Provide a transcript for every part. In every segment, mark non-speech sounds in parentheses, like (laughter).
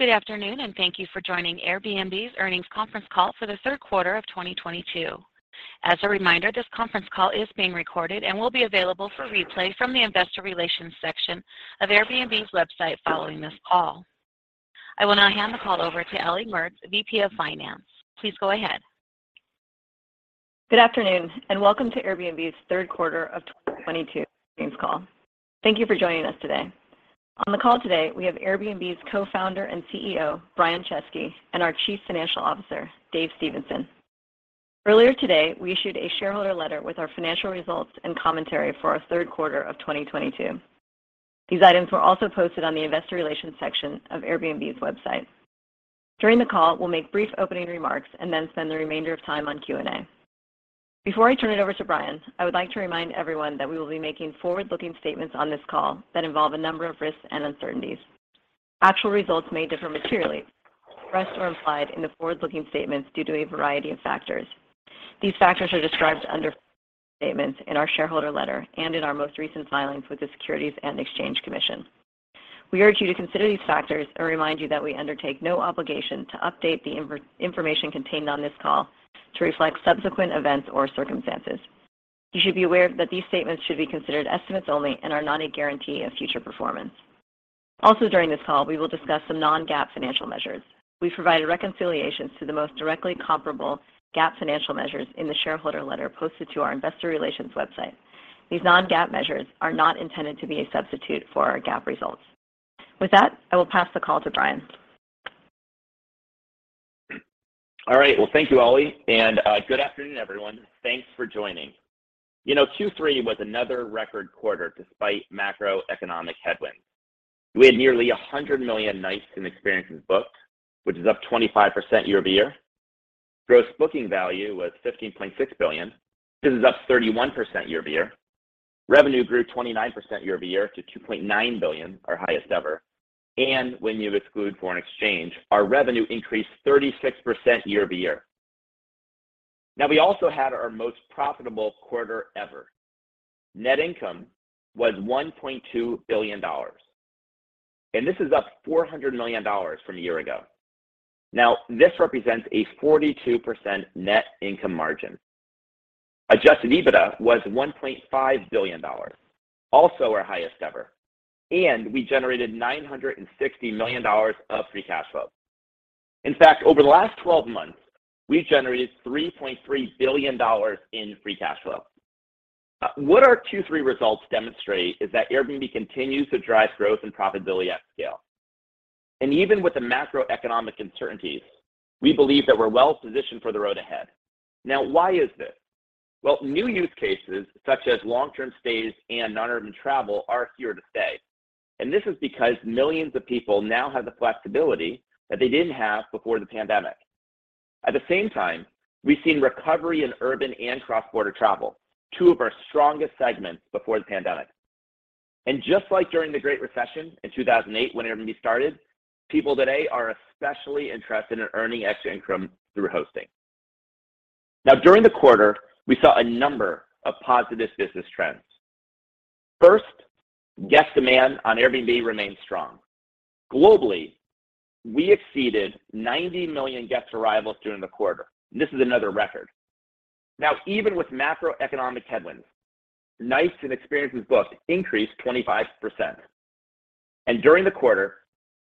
Good afternoon, and thank you for joining Airbnb's earnings conference call for the third quarter of 2022. As a reminder, this conference call is being recorded and will be available for replay from the investor relations section of Airbnb's website following this call. I will now hand the call over to Ellie Mertz, VP of Finance. Please go ahead. Good afternoon, and welcome to Airbnb's third quarter of 2022 earnings call. Thank you for joining us today. On the call today, we have Airbnb's Co-Founder and CEO, Brian Chesky, and our Chief Financial Officer, Dave Stephenson. Earlier today, we issued a shareholder letter with our financial results and commentary for our third quarter of 2022. These items were also posted on the investor relations section of Airbnb's website. During the call, we'll make brief opening remarks and then spend the remainder of time on Q&A. Before I turn it over to Brian, I would like to remind everyone that we will be making forward-looking statements on this call that involve a number of risks and uncertainties. Actual results may differ materially, expressed or implied in the forward-looking statements due to a variety of factors. These factors are described under statements in our shareholder letter and in our most recent filings with the Securities and Exchange Commission. We urge you to consider these factors and remind you that we undertake no obligation to update the information contained on this call to reflect subsequent events or circumstances. You should be aware that these statements should be considered estimates only and are not a guarantee of future performance. Also, during this call, we will discuss some non-GAAP financial measures. We've provided reconciliations to the most directly comparable GAAP financial measures in the shareholder letter posted to our investor relations website. These non-GAAP measures are not intended to be a substitute for our GAAP results. With that, I will pass the call to Brian. All right. Well, thank you, Ellie, and good afternoon, everyone. Thanks for joining. You know, Q3 was another record quarter despite macroeconomic headwinds. We had nearly 100 million nights and experiences booked, which is up 25% year-over-year. Gross booking value was $15.6 billion. This is up 31% year-over-year. Revenue grew 29% year-over-year to $2.9 billion, our highest ever. When you exclude foreign exchange, our revenue increased 36% year-over-year. Now, we also had our most profitable quarter ever. Net income was $1.2 billion, and this is up $400 million from a year ago. Now, this represents a 42% net income margin. Adjusted EBITDA was $1.5 billion, also our highest ever, and we generated $960 million of free cash flow. In fact, over the last 12 months, we've generated $3.3 billion in free cash flow. What our Q3 results demonstrate is that Airbnb continues to drive growth and profitability at scale. Even with the macroeconomic uncertainties, we believe that we're well-positioned for the road ahead. Now, why is this? Well, new use cases such as long-term stays and non-urban travel are here to stay. This is because millions of people now have the flexibility that they didn't have before the pandemic. At the same time, we've seen recovery in urban and cross-border travel, two of our strongest segments before the pandemic. Just like during the Great Recession in 2008 when Airbnb started, people today are especially interested in earning extra income through hosting. Now, during the quarter, we saw a number of positive business trends. First, guest demand on Airbnb remains strong. Globally, we exceeded 90 million guest arrivals during the quarter. This is another record. Now, even with macroeconomic headwinds, nights and experiences booked increased 25%. During the quarter,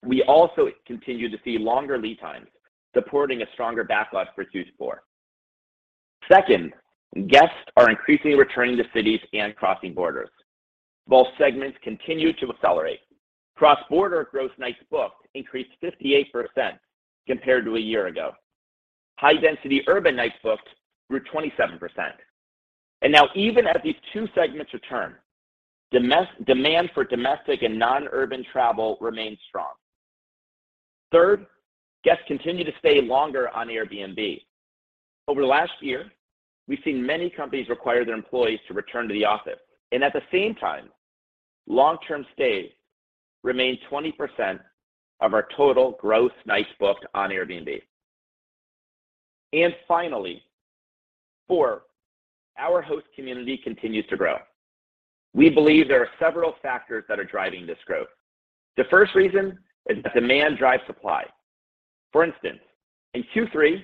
we also continued to see longer lead times, supporting a stronger backlog for Q4. Second, guests are increasingly returning to cities and crossing borders. Both segments continue to accelerate. Cross-border gross nights booked increased 58% compared to a year ago. High-density urban nights booked grew 27%. Now even as these two segments return, demand for domestic and non-urban travel remains strong. Third, guests continue to stay longer on Airbnb. Over the last year, we've seen many companies require their employees to return to the office. At the same time, long-term stays remain 20% of our total gross nights booked on Airbnb. Finally, four, our host community continues to grow. We believe there are several factors that are driving this growth. The first reason is that demand drives supply. For instance, in Q3,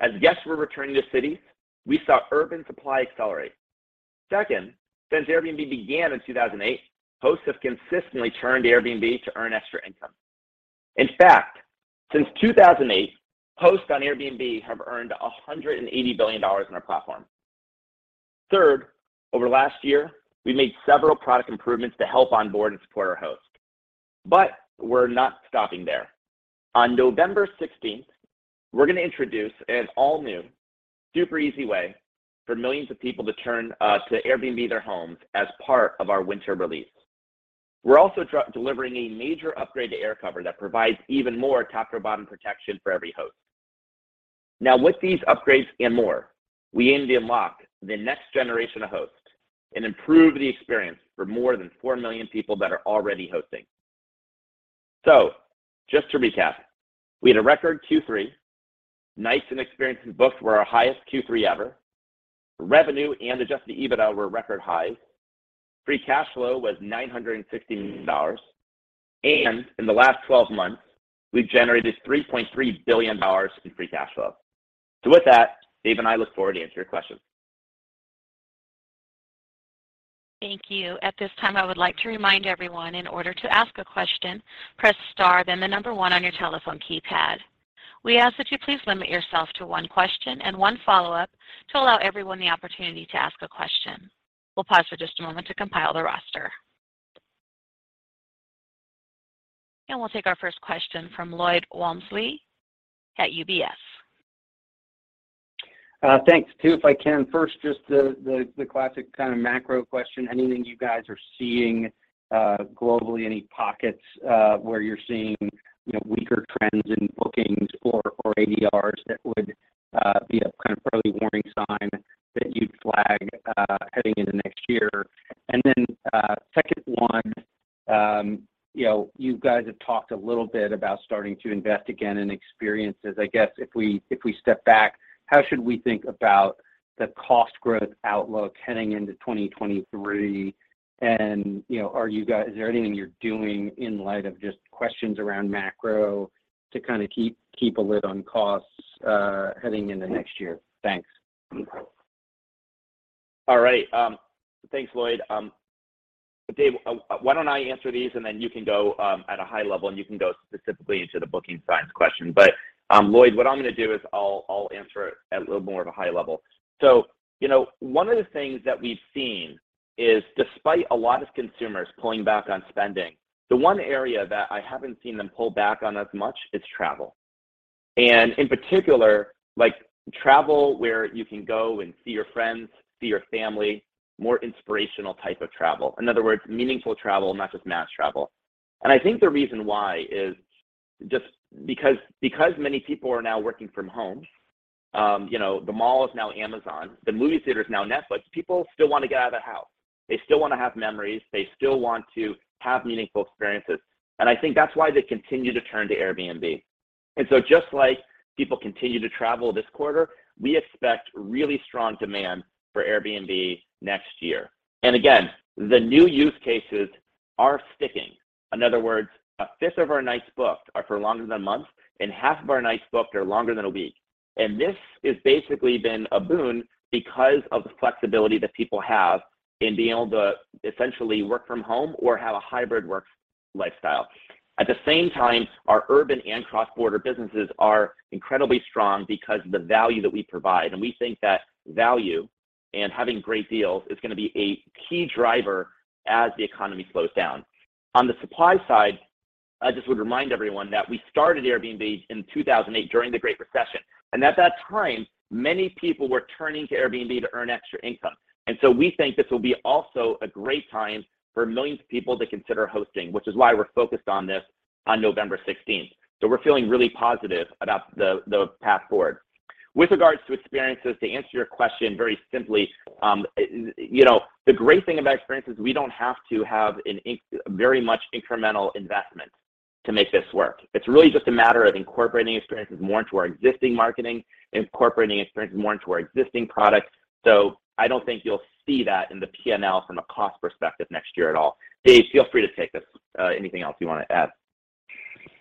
as guests were returning to cities, we saw urban supply accelerate. Second, since Airbnb began in 2008, hosts have consistently turned to Airbnb to earn extra income. In fact, since 2008, hosts on Airbnb have earned $180 billion on our platform. Third, over the last year, we made several product improvements to help onboard and support our hosts. But we're not stopping there. On November 16th, we're gonna introduce an all-new, super easy way for millions of people to turn to Airbnb their homes as part of our winter release. We're also delivering a major upgrade to AirCover that provides even more top-to-bottom protection for every host. Now, with these upgrades and more, we aim to unlock the next generation of hosts and improve the experience for more than 4 million people that are already hosting. Just to recap, we had a record Q3. Nights and experiences booked were our highest Q3 ever. Revenue and adjusted EBITDA were record highs. Free cash flow was $960 million. In the last 12 months, we've generated $3.3 billion in free cash flow. With that, Dave and I look forward to answer your questions. Thank you. At this time, I would like to remind everyone in order to ask a question, press star, then the number one on your telephone keypad. We ask that you please limit yourself to one question and one follow-up to allow everyone the opportunity to ask a question. We'll pause for just a moment to compile the roster. We'll take our first question from Lloyd Walmsley at UBS. Thanks. Two, if I can. First, just the classic kind of macro question. Anything you guys are seeing globally, any pockets where you're seeing, you know, weaker trends in bookings or ADRs that would be a kind of early warning sign that you'd flag heading into next year? Second one, you know, you guys have talked a little bit about starting to invest again in experiences. I guess, if we step back, how should we think about the cost growth outlook heading into 2023? You know, is there anything you're doing in light of just questions around macro to kind of keep a lid on costs heading into next year? Thanks. All right. Thanks, Lloyd. Dave, why don't I answer these, and then you can go at a high level, and you can go specifically into the booking science question. Lloyd, what I'm gonna do is I'll answer at a little more of a high level. You know, one of the things that we've seen is despite a lot of consumers pulling back on spending, the one area that I haven't seen them pull back on as much is travel. In particular, like, travel where you can go and see your friends, see your family, more inspirational type of travel. In other words, meaningful travel, not just mass travel. I think the reason why is just because many people are now working from home, you know, the mall is now Amazon, the movie theater is now Netflix, people still wanna get out of the house. They still wanna have memories. They still want to have meaningful experiences. I think that's why they continue to turn to Airbnb. Just like people continue to travel this quarter, we expect really strong demand for Airbnb next year. Again, the new use cases are sticking. In other words, a fifth of our nights booked are for longer than a month, and half of our nights booked are longer than a week. This has basically been a boon because of the flexibility that people have in being able to essentially work from home or have a hybrid work lifestyle. At the same time, our urban and cross-border businesses are incredibly strong because of the value that we provide. We think that value and having great deals is gonna be a key driver as the economy slows down. On the supply side, I just would remind everyone that we started Airbnb in 2008 during the Great Recession. At that time, many people were turning to Airbnb to earn extra income. We think this will be also a great time for millions of people to consider hosting, which is why we're focused on this on November 16th. We're feeling really positive about the path forward. With regards to experiences, to answer your question very simply, you know, the great thing about experiences, we don't have to have a very much incremental investment to make this work. It's really just a matter of incorporating experiences more into our existing marketing, incorporating experiences more into our existing products. I don't think you'll see that in the P&L from a cost perspective next year at all. Dave, feel free to take this. Anything else you wanna add?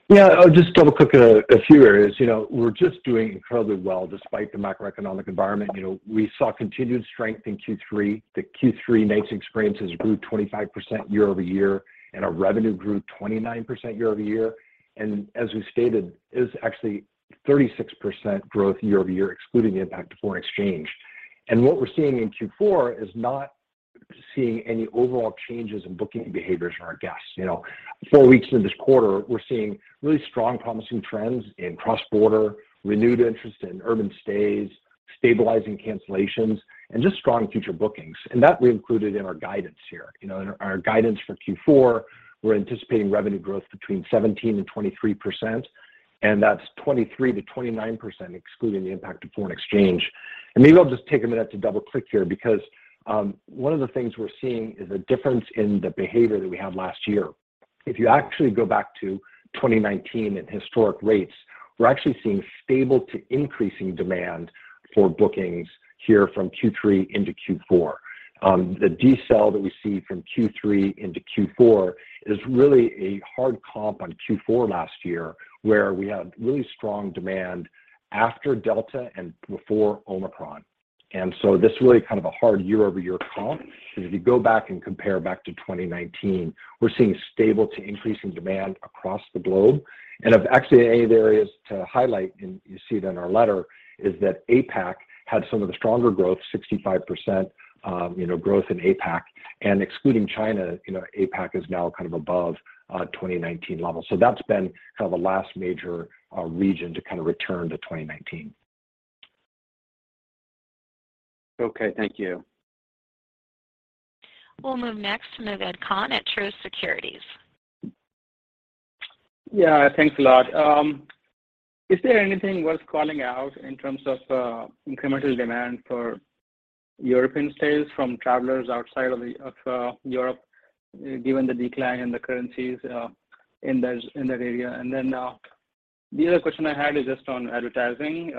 Yeah. I'll just double-click a few areas. You know, we're just doing incredibly well despite the macroeconomic environment. You know, we saw continued strength in Q3. The Q3 nights and experiences grew 25% year-over-year, and our revenue grew 29% year-over-year. As we stated, it is actually 36% growth year-over-year, excluding the impact of foreign exchange. What we're seeing in Q4 is not seeing any overall changes in booking behaviors from our guests. You know, four weeks into this quarter, we're seeing really strong, promising trends in cross-border, renewed interest in urban stays, stabilizing cancellations, and just strong future bookings. That we included in our guidance here. You know, in our guidance for Q4, we're anticipating revenue growth between 17% and 23%, and that's 23%-29%, excluding the impact of foreign exchange. Maybe I'll just take a minute to double-click here because one of the things we're seeing is a difference in the behavior that we had last year. If you actually go back to 2019 and historic rates, we're actually seeing stable to increasing demand for bookings here from Q3 into Q4. The decel that we see from Q3 into Q4 is really a hard comp on Q4 last year, where we had really strong demand after Delta and before Omicron. This is really kind of a hard year-over-year comp. Because if you go back and compare back to 2019, we're seeing stable to increasing demand across the globe. If actually any of the areas to highlight, and you see it in our letter, is that APAC had some of the stronger growth, 65%, you know, growth in APAC. Excluding China, you know, APAC is now kind of above 2019 levels. That's been kind of the last major region to kind of return to 2019. Okay, thank you. We'll move next to Naved Khan at Truist Securities. Yeah. Thanks a lot. Is there anything worth calling out in terms of incremental demand for European sales from travelers outside of Europe given the decline in the currencies in that area? The other question I had is just on advertising.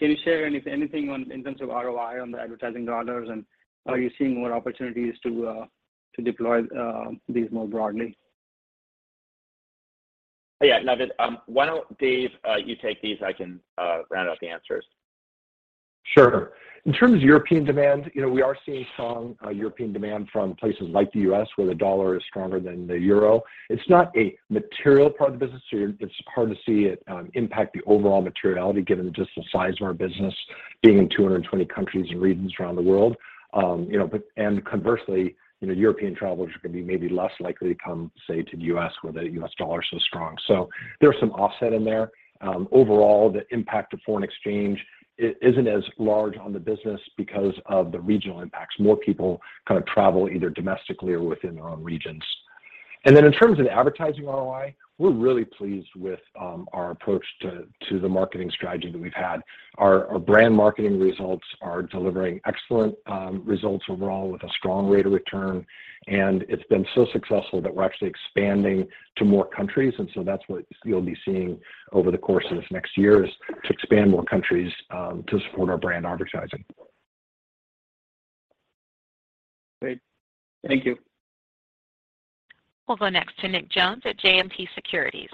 Can you share anything on, in terms of ROI on the advertising dollars, and are you seeing more opportunities to deploy these more broadly? Yeah, Naved, why don't, Dave, you take these, I can round out the answers. Sure. In terms of European demand, you know, we are seeing strong European demand from places like the U.S., where the dollar is stronger than the euro. It's not a material part of the business, so it's hard to see it impact the overall materiality given just the size of our business being in 220 countries and regions around the world. Conversely, you know, European travelers are gonna be maybe less likely to come, say, to the U.S. where the US dollar is so strong. So there's some offset in there. Overall, the impact of foreign exchange isn't as large on the business because of the regional impacts. More people kind of travel either domestically or within their own regions. In terms of advertising ROI, we're really pleased with our approach to the marketing strategy that we've had. Our brand marketing results are delivering excellent results overall with a strong rate of return, and it's been so successful that we're actually expanding to more countries, and so that's what you'll be seeing over the course of this next year is to expand more countries to support our brand advertising. Great. Thank you. We'll go next to Nick Jones at JMP Securities.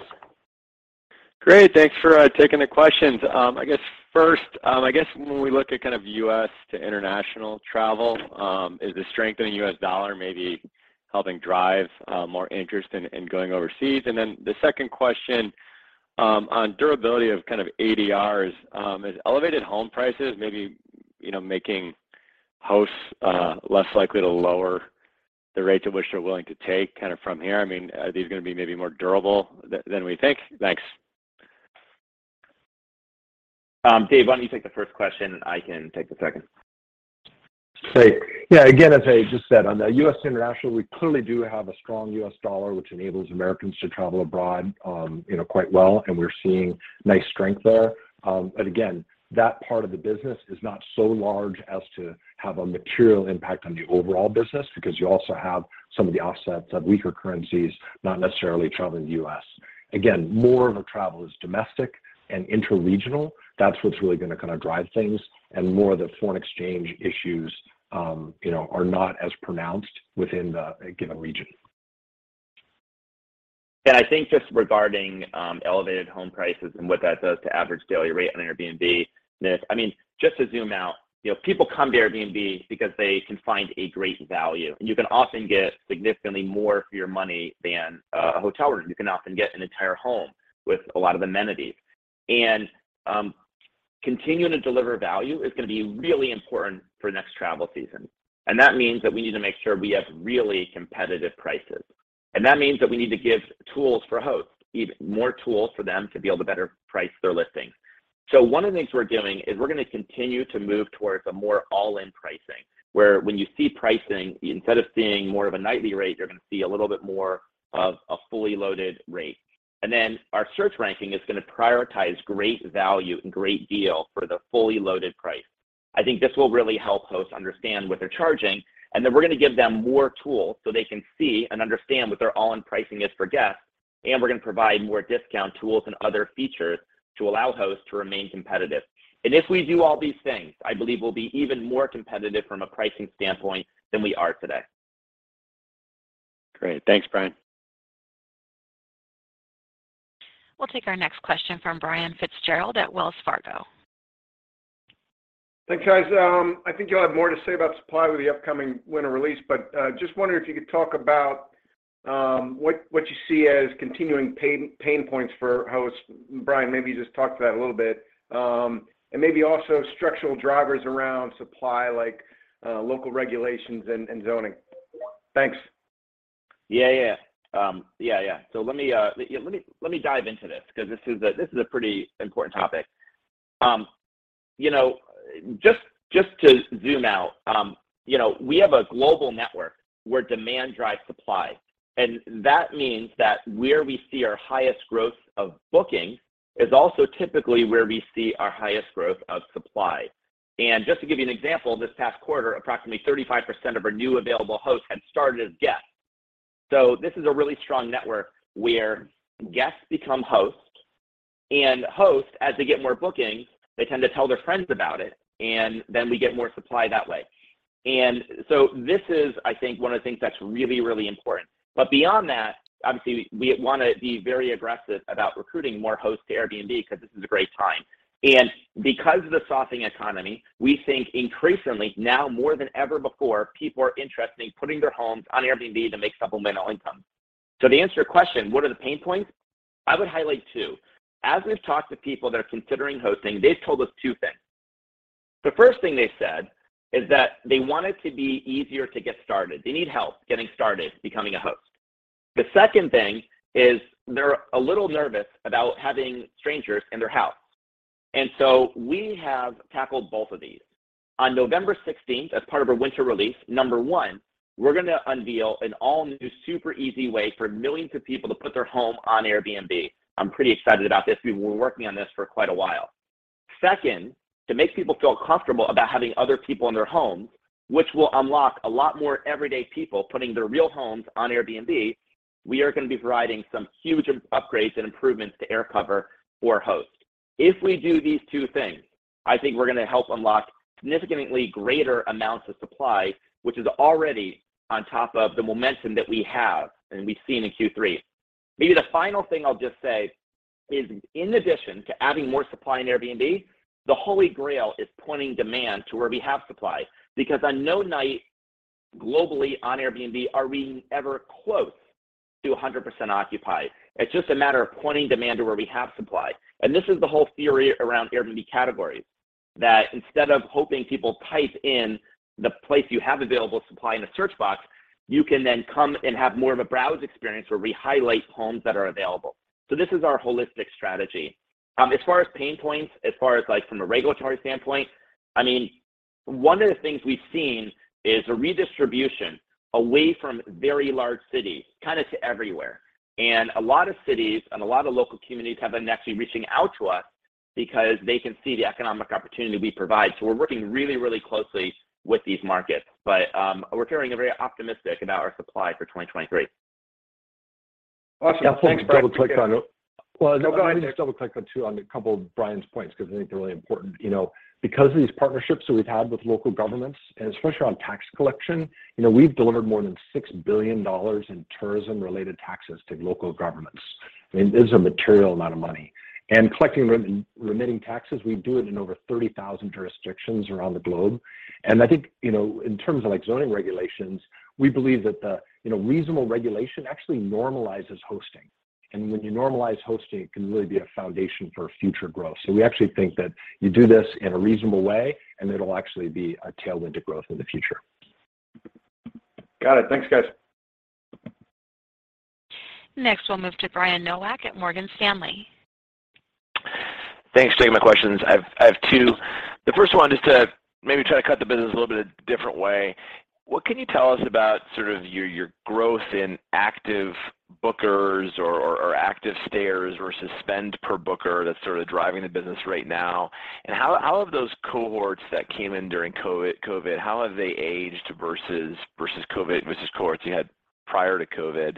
Great. Thanks for taking the questions. I guess first, I guess when we look at kind of U.S. to international travel, is the strengthening US dollar maybe helping drive more interest in going overseas? Then the second question, on durability of kind of ADRs, is elevated home prices maybe, you know, making hosts less likely to lower the rate at which they're willing to take kind of from here? I mean, are these gonna be maybe more durable than we think? Thanks. Dave, why don't you take the first question, and I can take the second. Great. Yeah, again, as I just said, on the U.S. international, we clearly do have a strong US dollar, which enables Americans to travel abroad, you know, quite well, and we're seeing nice strength there. Again, that part of the business is not so large as to have a material impact on the overall business because you also have some of the offsets of weaker currencies not necessarily traveling to the U.S. Again, more of the travel is domestic and interregional. That's what's really gonna kind of drive things, and more of the foreign exchange issues, you know, are not as pronounced within a given region. Yeah, I think just regarding elevated home prices and what that does to average daily rate on Airbnb, Nick, I mean, just to zoom out, you know, people come to Airbnb because they can find a great value, and you can often get significantly more for your money than a hotel room. You can often get an entire home with a lot of amenities. Continuing to deliver value is gonna be really important for next travel season, and that means that we need to make sure we have really competitive prices, and that means that we need to give tools for hosts, more tools for them to be able to better price their listings. One of the things we're doing is we're gonna continue to move towards a more all-in pricing, where when you see pricing, instead of seeing more of a nightly rate, you're gonna see a little bit more of a fully loaded rate. Our search ranking is gonna prioritize great value and great deal for the fully loaded price. I think this will really help hosts understand what they're charging, and then we're gonna give them more tools so they can see and understand what their all-in pricing is for guests, and we're gonna provide more discount tools and other features to allow hosts to remain competitive. If we do all these things, I believe we'll be even more competitive from a pricing standpoint than we are today. Great. Thanks, Brian. We'll take our next question from Brian Fitzgerald at Wells Fargo. Thanks, guys. I think you'll have more to say about supply with the upcoming winter release, but just wondering if you could talk about what you see as continuing pain points for hosts. Brian, maybe just talk to that a little bit. Maybe also structural drivers around supply like local regulations and zoning. Thanks. Let me dive into this because this is a pretty important topic. You know, just to zoom out, you know, we have a global network where demand drives supply, and that means that where we see our highest growth of bookings is also typically where we see our highest growth of supply. Just to give you an example, this past quarter, approximately 35% of our new available hosts had started as guests. This is a really strong network where guests become hosts, and hosts, as they get more bookings, they tend to tell their friends about it, and then we get more supply that way. This is, I think, one of the things that's really important. Beyond that, obviously we wanna be very aggressive about recruiting more hosts to Airbnb because this is a great time. Because of the softening economy, we think increasingly, now more than ever before, people are interested in putting their homes on Airbnb to make supplemental income. To answer your question, what are the pain points? I would highlight two. As we've talked to people that are considering hosting, they've told us two things. The first thing they said is that they want it to be easier to get started. They need help getting started becoming a host. The second thing is they're a little nervous about having strangers in their house. We have tackled both of these. On November 16th, as part of our winter release, number one, we're gonna unveil an all-new super easy way for millions of people to put their home on Airbnb. I'm pretty excited about this. We've been working on this for quite a while. Second, to make people feel comfortable about having other people in their homes, which will unlock a lot more everyday people putting their real homes on Airbnb. We are going to be providing some huge improvements and upgrades to AirCover for hosts. If we do these two things, I think we're gonna help unlock significantly greater amounts of supply, which is already on top of the momentum that we have and we've seen in Q3. Maybe the final thing I'll just say is in addition to adding more supply in Airbnb, the holy grail is pointing demand to where we have supply. Because on no night globally on Airbnb are we ever close to 100% occupied. It's just a matter of pointing demand to where we have supply, and this is the whole theory around Airbnb Categories, that instead of hoping people type in the place you have available supply in a search box, you can then come and have more of a browse experience where we highlight homes that are available. This is our holistic strategy. As far as pain points, like, from a regulatory standpoint, I mean, one of the things we've seen is a redistribution away from very large cities kind of to everywhere. A lot of cities and a lot of local communities have been actually reaching out to us because they can see the economic opportunity we provide. We're working really, really closely with these markets. We're feeling very optimistic about our supply for 2023. Awesome. Thanks, Brian. (crosstalk) Yeah, I'll just double click on. No, go ahead, Dave. Well, no, let me just double click on, too, on a couple of Brian's points because I think they're really important. You know, because of these partnerships that we've had with local governments, and especially around tax collection, you know, we've delivered more than $6 billion in tourism-related taxes to local governments. I mean, this is a material amount of money. Collecting and re-remitting taxes, we do it in over 30,000 jurisdictions around the globe. I think, you know, in terms of, like, zoning regulations, we believe that the, you know, reasonable regulation actually normalizes hosting. When you normalize hosting, it can really be a foundation for future growth. We actually think that you do this in a reasonable way, and it'll actually be a tailwind to growth in the future. Got it. Thanks, guys. Next, we'll move to Brian Nowak at Morgan Stanley. Thanks taking my questions. I have two. The first one just to maybe try to cut the business a little bit a different way. What can you tell us about sort of your growth in active bookers or active stayers versus spend per booker that's sort of driving the business right now? How have those cohorts that came in during COVID aged versus COVID versus cohorts you had prior to COVID?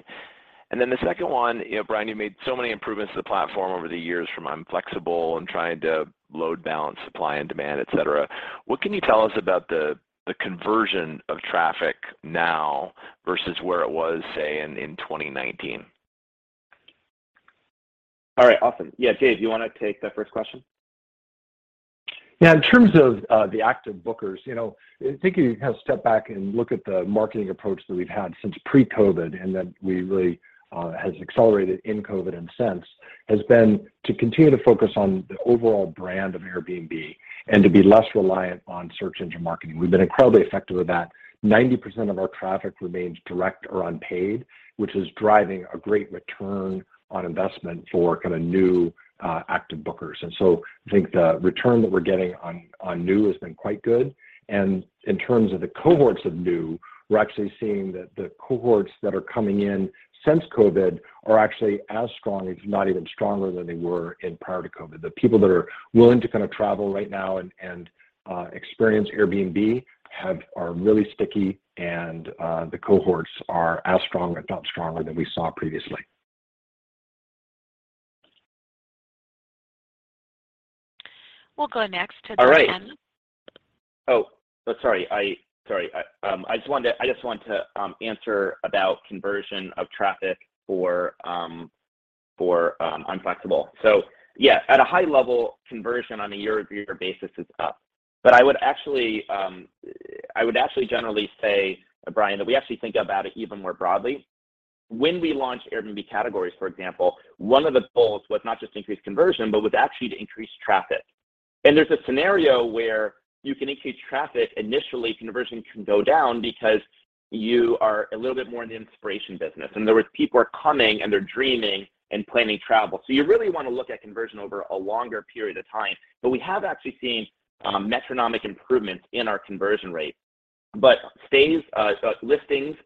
Then the second one, you know, Brian, you made so many improvements to the platform over the years from I'm Flexible and trying to load balance supply and demand, et cetera. What can you tell us about the conversion of traffic now versus where it was, say, in 2019? All right. Awesome. Yeah, Dave, do you wanna take the first question? Yeah. In terms of the active bookers, you know, thinking, you know, step back and look at the marketing approach that we've had since pre-COVID and then we really has accelerated in COVID and since, has been to continue to focus on the overall brand of Airbnb and to be less reliant on search engine marketing. We've been incredibly effective at that. 90% of our traffic remains direct or unpaid, which is driving a great return on investment for kind of new active bookers. I think the return that we're getting on new has been quite good. In terms of the cohorts of new, we're actually seeing that the cohorts that are coming in since COVID are actually as strong, if not even stronger than they were prior to COVID. The people that are willing to kind of travel right now and experience Airbnb are really sticky, and the cohorts are as strong, if not stronger than we saw previously. We'll go next to Ben. I just wanted to answer about conversion of traffic for I'm Flexible. So yeah, at a high level, conversion on a year-over-year basis is up. But I would actually generally say, Brian, that we actually think about it even more broadly. When we launched Airbnb Categories, for example, one of the goals was not just increased conversion, but was actually to increase traffic. There's a scenario where you can increase traffic initially, conversion can go down because you are a little bit more in the inspiration business. In other words, people are coming, and they're dreaming and planning travel. So you really wanna look at conversion over a longer period of time. But we have actually seen monotonic improvements in our conversion rates. Listings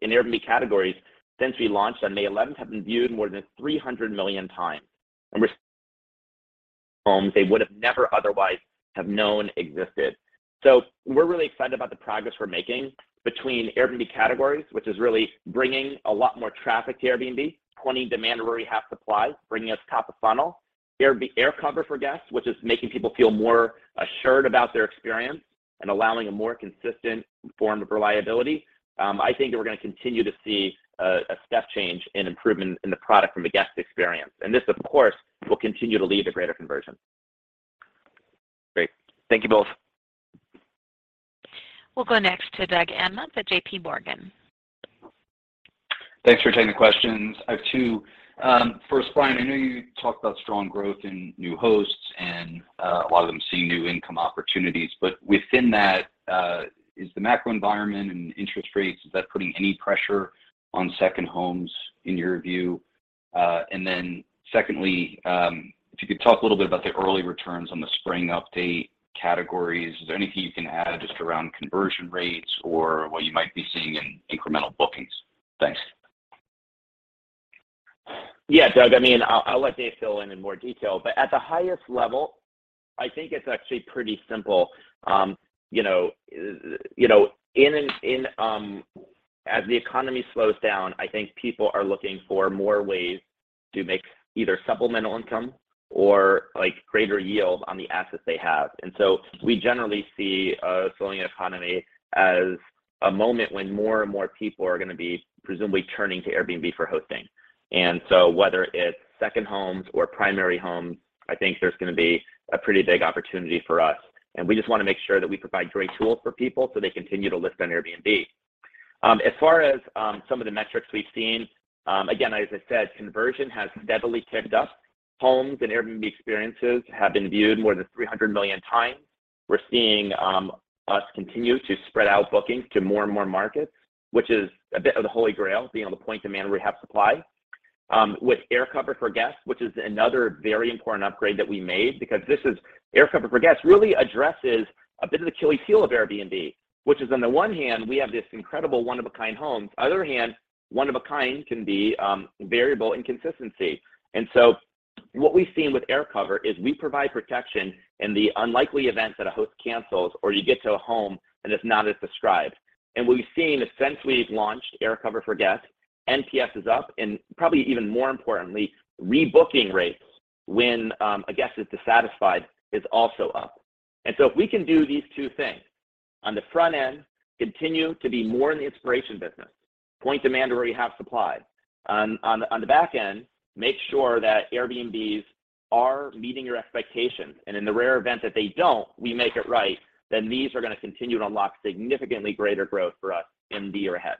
in Airbnb Categories since we launched on May 11th have been viewed more than 300 million times, and these are homes they would have never otherwise have known existed. We're really excited about the progress we're making between Airbnb Categories, which is really bringing a lot more traffic to Airbnb, pointing demand where we have supply, bringing us top of funnel. AirCover for guests, which is making people feel more assured about their experience and allowing a more consistent form of reliability. I think that we're gonna continue to see a step change in improvement in the product from a guest experience. This, of course, will continue to lead to greater conversion. Great. Thank you both. We'll go next to Doug Anmuth at JPMorgan. Thanks for taking the questions. I have two. First, Brian, I know you talked about strong growth in new hosts and a lot of them seeing new income opportunities, but within that, is the macro environment and interest rates, is that putting any pressure on second homes in your view? Secondly, if you could talk a little bit about the early returns on the spring update categories. Is there anything you can add just around conversion rates or what you might be seeing in incremental bookings? Thanks. Yeah, Doug, I mean, I'll let Dave fill in more detail, but at the highest level, I think it's actually pretty simple. You know, as the economy slows down, I think people are looking for more ways to make either supplemental income or, like, greater yield on the assets they have. We generally see a slowing economy as a moment when more and more people are gonna be presumably turning to Airbnb for hosting. Whether it's second homes or primary homes, I think there's gonna be a pretty big opportunity for us, and we just wanna make sure that we provide great tools for people so they continue to list on Airbnb. As far as some of the metrics we've seen, again, as I said, conversion has steadily ticked up. Homes and Airbnb Experiences have been viewed more than 300 million times. We're seeing us continue to spread out bookings to more and more markets, which is a bit of the Holy Grail, being able to point demand where we have supply. With AirCover for guests, which is another very important upgrade that we made because this is AirCover for guests really addresses a bit of the chilly feel of Airbnb, which is on the one hand, we have this incredible one-of-a-kind homes. On the other hand, one-of-a-kind can be variable in consistency. What we've seen with AirCover is we provide protection in the unlikely event that a host cancels or you get to a home, and it's not as described. We've seen since we've launched AirCover for guests, NPS is up, and probably even more importantly, rebooking rates when a guest is dissatisfied is also up. If we can do these two things, on the front end, continue to be more in the inspiration business, point demand where we have supply. On the back end, make sure that Airbnbs are meeting your expectations, and in the rare event that they don't, we make it right, then these are gonna continue to unlock significantly greater growth for us in the year ahead.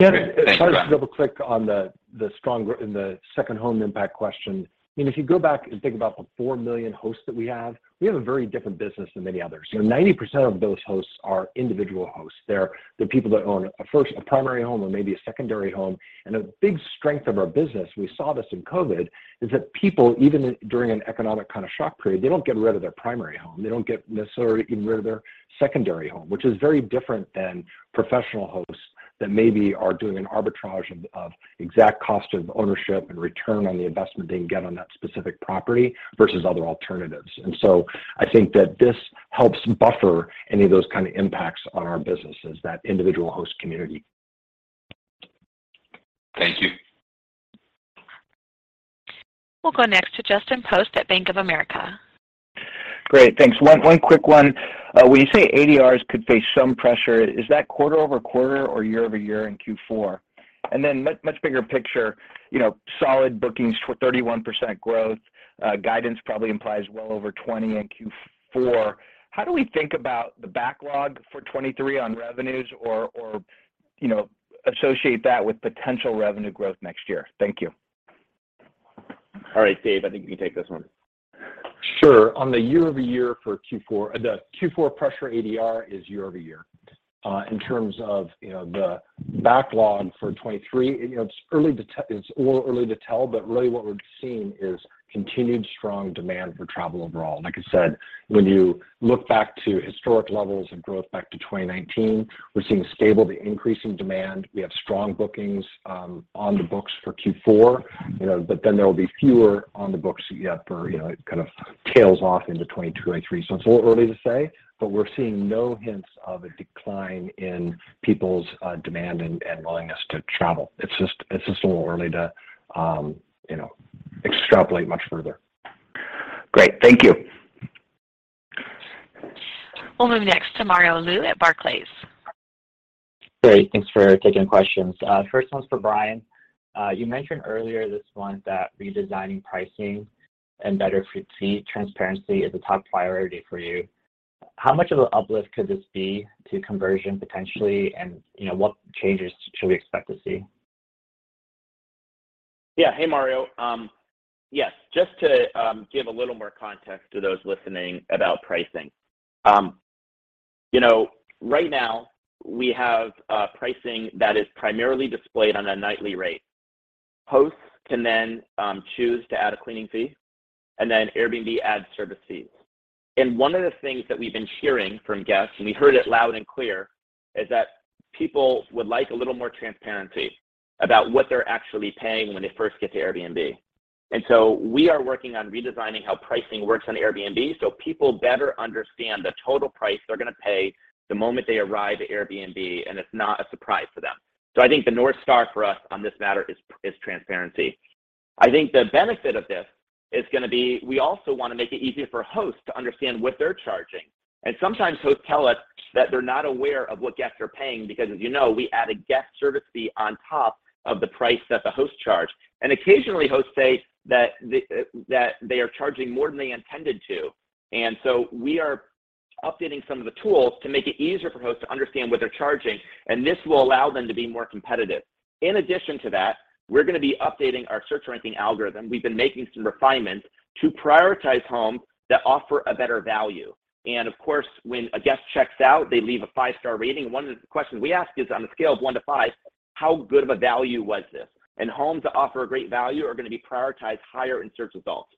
Yeah. Thanks, Doug. If I could just double-click on the second home impact question. I mean, if you go back and think about the 4 million hosts that we have, we have a very different business than many others. You know, 90% of those hosts are individual hosts. They're the people that own a first—a primary home or maybe a secondary home. A big strength of our business, we saw this in COVID, is that people, even during an economic kind of shock period, they don't get rid of their primary home. They don't get necessarily even rid of their secondary home, which is very different than professional hosts that maybe are doing an arbitrage of exact cost of ownership and return on the investment they can get on that specific property versus other alternatives. I think that this helps buffer any of those kind of impacts on our business, that individual host community. Thank you. We'll go next to Justin Post at Bank of America. Great. Thanks. One quick one. When you say ADRs could face some pressure, is that quarter-over-quarter or year-over-year in Q4? Much bigger picture, you know, solid bookings for 31% growth, guidance probably implies well over 20% in Q4. How do we think about the backlog for 2023 on revenues or, you know, associate that with potential revenue growth next year? Thank you. All right, Dave, I think you can take this one. Sure. On the year-over-year for Q4, the Q4 pressured ADR is year-over-year. In terms of, you know, the backlog for 2023, you know, it's a little early to tell, but really what we're seeing is continued strong demand for travel overall. Like I said, when you look back to historic levels of growth back to 2019, we're seeing stable to increasing demand. We have strong bookings on the books for Q4, you know, but then there will be fewer on the books you have for, you know, it kind of tails off into 2022, 2023. It's a little early to say, but we're seeing no hints of a decline in people's demand and willingness to travel. It's just a little early to, you know, extrapolate much further. Great. Thank you. We'll move next to Mario Lu at Barclays. Great. Thanks for taking questions. First one's for Brian. You mentioned earlier this month that redesigning pricing and better fee transparency is a top priority for you. How much of an uplift could this be to conversion potentially, and, you know, what changes should we expect to see? Yeah. Hey, Mario. Yes, just to give a little more context to those listening about pricing. You know, right now we have pricing that is primarily displayed on a nightly rate. Hosts can then choose to add a cleaning fee, and then Airbnb adds service fees. One of the things that we've been hearing from guests, and we heard it loud and clear, is that people would like a little more transparency about what they're actually paying when they first get to Airbnb. We are working on redesigning how pricing works on Airbnb, so people better understand the total price they're gonna pay the moment they arrive at Airbnb, and it's not a surprise for them. I think the North Star for us on this matter is transparency. I think the benefit of this is gonna be, we also wanna make it easier for hosts to understand what they're charging. Sometimes hosts tell us that they're not aware of what guests are paying because, as you know, we add a guest service fee on top of the price that the hosts charge. Occasionally, hosts say that they are charging more than they intended to. We are updating some of the tools to make it easier for hosts to understand what they're charging, and this will allow them to be more competitive. In addition to that, we're gonna be updating our search ranking algorithm. We've been making some refinements to prioritize homes that offer a better value. Of course, when a guest checks out, they leave a five-star rating. One of the questions we ask is, on a scale of one to five, how good of a value was this? Homes that offer a great value are gonna be prioritized higher in search results.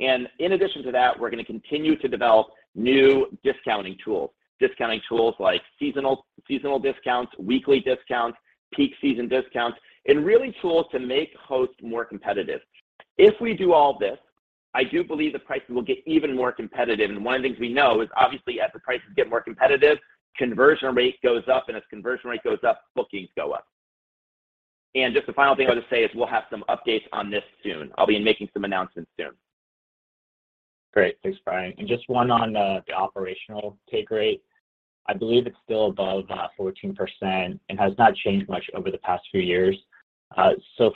In addition to that, we're gonna continue to develop new discounting tools. Discounting tools like seasonal discounts, weekly discounts, peak season discounts, and really tools to make hosts more competitive. If we do all this, I do believe the prices will get even more competitive. One of the things we know is obviously as the prices get more competitive, conversion rate goes up, and as conversion rate goes up, bookings go up. Just the final thing I'll just say is we'll have some updates on this soon. I'll be making some announcements soon. Great. Thanks, Brian. Just one on the operational take rate. I believe it's still above 14% and has not changed much over the past few years.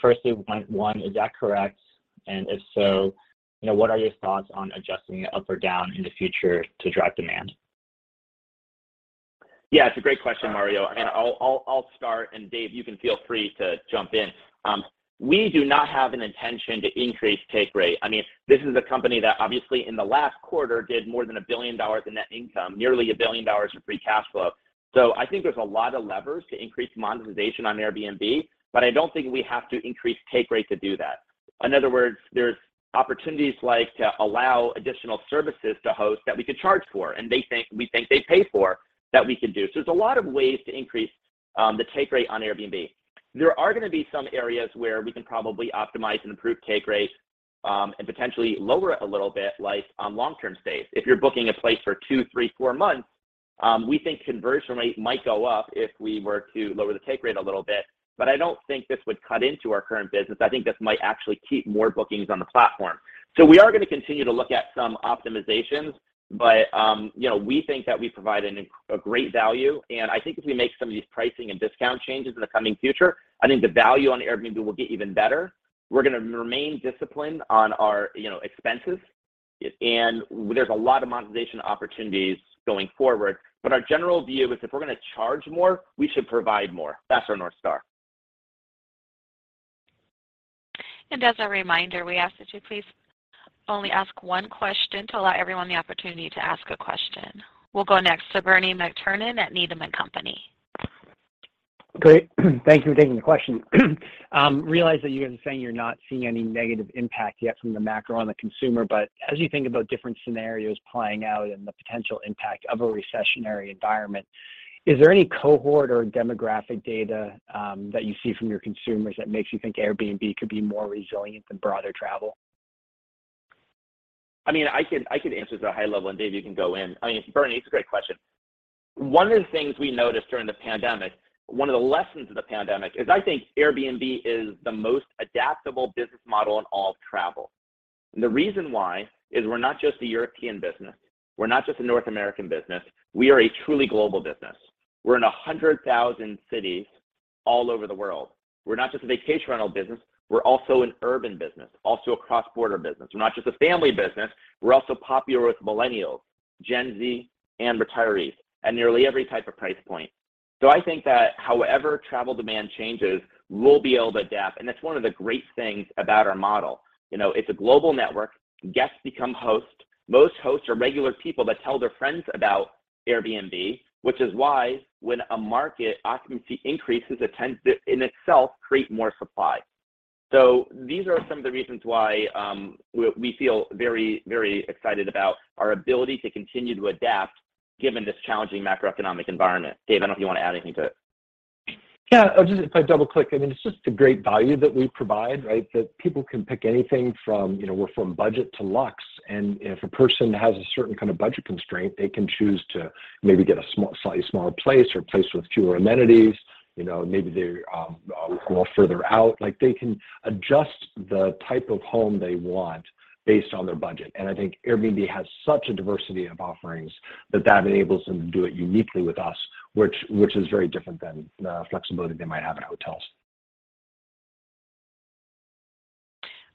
Firstly, is that correct? And if so, you know, what are your thoughts on adjusting it up or down in the future to drive demand? Yeah, it's a great question, Mario, and I'll start, and Dave, you can feel free to jump in. We do not have an intention to increase take rate. I mean, this is a company that obviously in the last quarter did more than $1 billion in net income, nearly $1 billion in free cash flow. I think there's a lot of levers to increase monetization on Airbnb, but I don't think we have to increase take rate to do that. In other words, there's opportunities like to allow additional services to hosts that we could charge for, and we think they pay for, that we could do. There's a lot of ways to increase the take rate on Airbnb. There are gonna be some areas where we can probably optimize and keep take rates, and potentially lower it a little bit, like on long-term stays. If you're booking a place for two, three, four months, we think conversion rate might go up if we were to lower the take rate a little bit. I don't think this would cut into our current business. I think this might actually keep more bookings on the platform. We are gonna continue to look at some optimizations, but, you know, we think that we provide a great value. I think if we make some of these pricing and discount changes in the coming future, I think the value on Airbnb will get even better. We're gonna remain disciplined on our, you know, expenses, and there's a lot of monetization opportunities going forward. Our general view is if we're gonna charge more, we should provide more. That's our North Star. As a reminder, we ask that you please only ask one question to allow everyone the opportunity to ask a question. We'll go next to Bernie McTernan at Needham & Company. Great. Thank you for taking the question. Realize that you guys are saying you're not seeing any negative impact yet from the macro on the consumer, but as you think about different scenarios playing out and the potential impact of a recessionary environment, is there any cohort or demographic data, that you see from your consumers that makes you think Airbnb could be more resilient than broader travel? I mean, I could answer to a high level, and Dave, you can go in. I mean, Bernie, it's a great question. One of the things we noticed during the pandemic, one of the lessons of the pandemic, is I think Airbnb is the most adaptable business model in all of travel. The reason why is we're not just a European business. We're not just a North American business. We are a truly global business. We're in 100,000 cities all over the world. We're not just a vacation rental business. We're also an urban business, also a cross-border business. We're not just a family business. We're also popular with millennials, Gen Z, and retirees at nearly every type of price point. I think that however travel demand changes, we'll be able to adapt, and that's one of the great things about our model. You know, it's a global network. Guests become hosts. Most hosts are regular people that tell their friends about Airbnb, which is why when a market occupancy increases, it tends to, in itself, create more supply. These are some of the reasons why we feel very, very excited about our ability to continue to adapt given this challenging macroeconomic environment. Dave, I don't know if you want to add anything to it. Yeah. If I double-click, I mean, it's just the great value that we provide, right? That people can pick anything from, you know, we're from budget to luxe, and if a person has a certain kind of budget constraint, they can choose to maybe get slightly smaller place or place with fewer amenities. You know, maybe they're a little further out. Like, they can adjust the type of home they want based on their budget. I think Airbnb has such a diversity of offerings that that enables them to do it uniquely with us, which is very different than the flexibility they might have at hotels.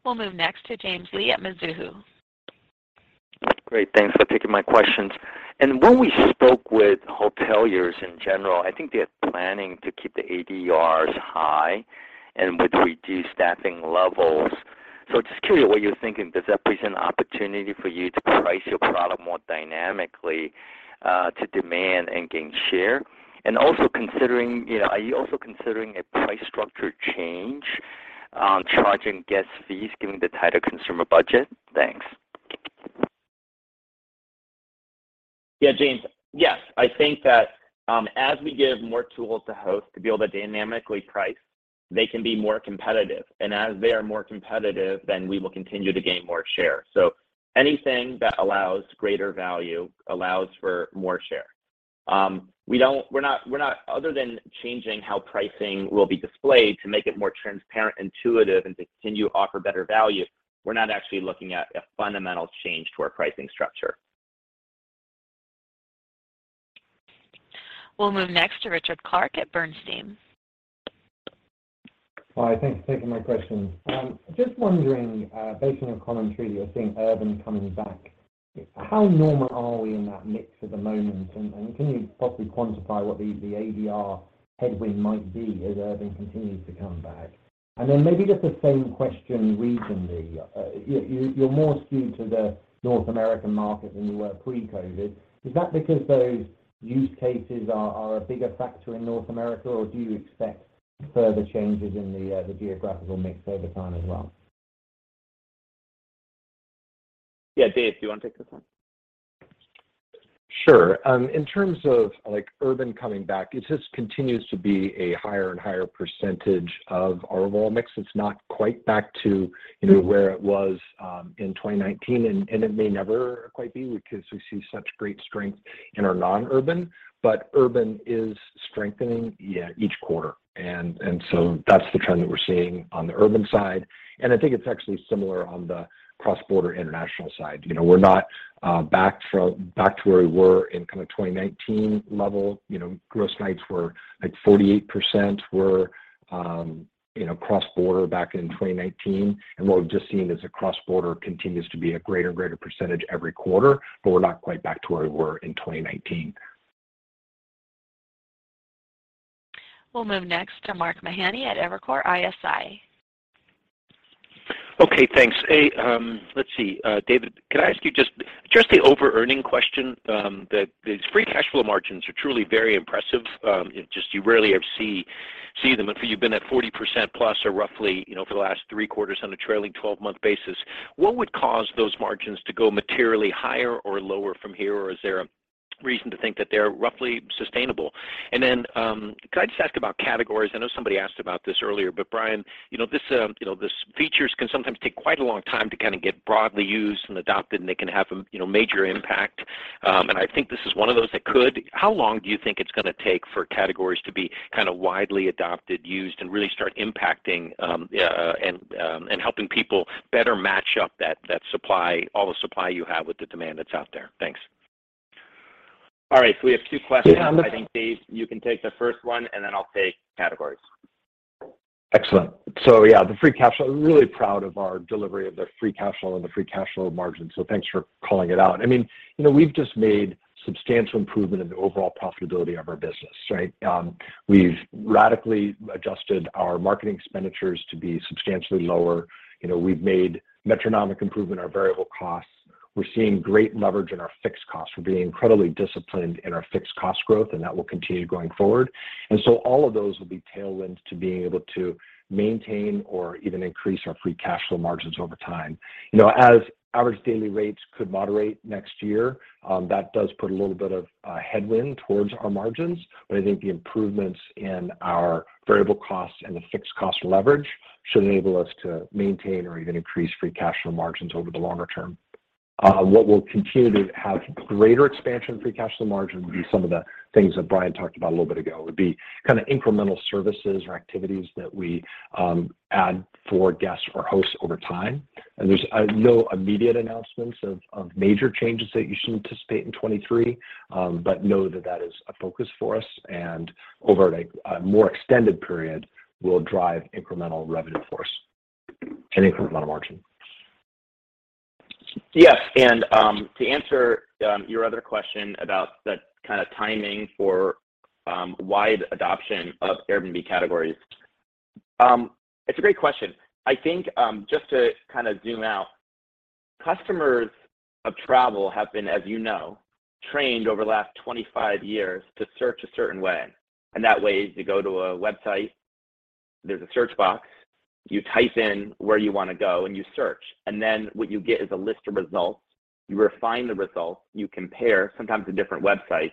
We'll move next to James Lee at Mizuho. Great. Thanks for taking my questions. When we spoke with hoteliers in general, I think they're planning to keep the ADRs high and with reduced staffing levels. Just curious what you're thinking. Does that present an opportunity for you to price your product more dynamically, to demand and gain share? Also considering, you know, are you also considering a price structure change, charging guests fees, given the tighter consumer budget? Thanks. Yeah, James. Yes. I think that as we give more tools to hosts to be able to dynamically price, they can be more competitive. As they are more competitive, then we will continue to gain more share. Anything that allows greater value allows for more share. Other than changing how pricing will be displayed to make it more transparent, intuitive, and to continue to offer better value, we're not actually looking at a fundamental change to our pricing structure. We'll move next to Richard Clarke at Bernstein. Hi. Thank you for taking my question. Just wondering, based on your commentary, you're seeing urban coming back. How normal are we in that mix at the moment? Can you possibly quantify what the ADR headwind might be as urban continues to come back? Maybe just the same question regionally. You're more skewed to the North American market than you were pre-COVID. Is that because those use cases are a bigger factor in North America, or do you expect further changes in the geographical mix over time as well. Yeah, Dave, do you wanna take this one? Sure. In terms of, like, urban coming back, it just continues to be a higher and higher percentage of our room mix. It's not quite back to, you know, where it was in 2019, and it may never quite be because we see such great strength in our non-urban. Urban is strengthening each quarter. That's the trend that we're seeing on the urban side. I think it's actually similar on the cross-border international side. You know, we're not back to where we were in kind of 2019 level. You know, gross nights were, like, 48% were cross-border back in 2019. What we've just seen is that cross-border continues to be a greater and greater percentage every quarter, but we're not quite back to where we were in 2019. We'll move next to Mark Mahaney at Evercore ISI. Okay, thanks. Hey, let's see. Dave, can I ask you just the overearning question, these free cash flow margins are truly very impressive. It just, you rarely ever see them. If you've been at 40%+ or roughly, you know, for the last three quarters on a trailing 12-month basis, what would cause those margins to go materially higher or lower from here, or is there a reason to think that they're roughly sustainable? Then, could I just ask about categories? I know somebody asked about this earlier, but Brian, you know, this, you know, this feature can sometimes take quite a long time to kinda get broadly used and adopted, and they can have a, you know, major impact. I think this is one of those that could. How long do you think it's gonna take for categories to be kinda widely adopted, used, and really start impacting, and helping people better match up that supply, all the supply you have with the demand that's out there? Thanks. All right, we have two questions. Yeah. I think, Dave, you can take the first one, and then I'll take categories. Excellent. Yeah, the free cash flow. Really proud of our delivery of the free cash flow and the free cash flow margin, so thanks for calling it out. I mean, you know, we've just made substantial improvement in the overall profitability of our business, right? We've radically adjusted our marketing expenditures to be substantially lower. You know, we've made metronomic improvement in our variable costs. We're seeing great leverage in our fixed costs. We're being incredibly disciplined in our fixed cost growth, and that will continue going forward. All of those will be tailwinds to being able to maintain or even increase our free cash flow margins over time. You know, as average daily rates could moderate next year, that does put a little bit of headwind towards our margins. I think the improvements in our variable costs and the fixed cost leverage should enable us to maintain or even increase free cash flow margins over the longer term. What will continue to have greater expansion in free cash flow margin would be some of the things that Brian talked about a little bit ago. It would be kinda incremental services or activities that we add for guests or hosts over time. There's no immediate announcements of major changes that you should anticipate in 2023. Know that that is a focus for us and over a more extended period will drive incremental revenue for us and incremental margin. Yes, to answer your other question about the kinda timing for wide adoption of Airbnb Categories, it's a great question. I think, just to kinda zoom out, customers of travel have been, as you know, trained over the last 25 years to search a certain way, and that way is you go to a website, there's a search box, you type in where you wanna go, and you search. What you get is a list of results. You refine the results, you compare sometimes to different websites,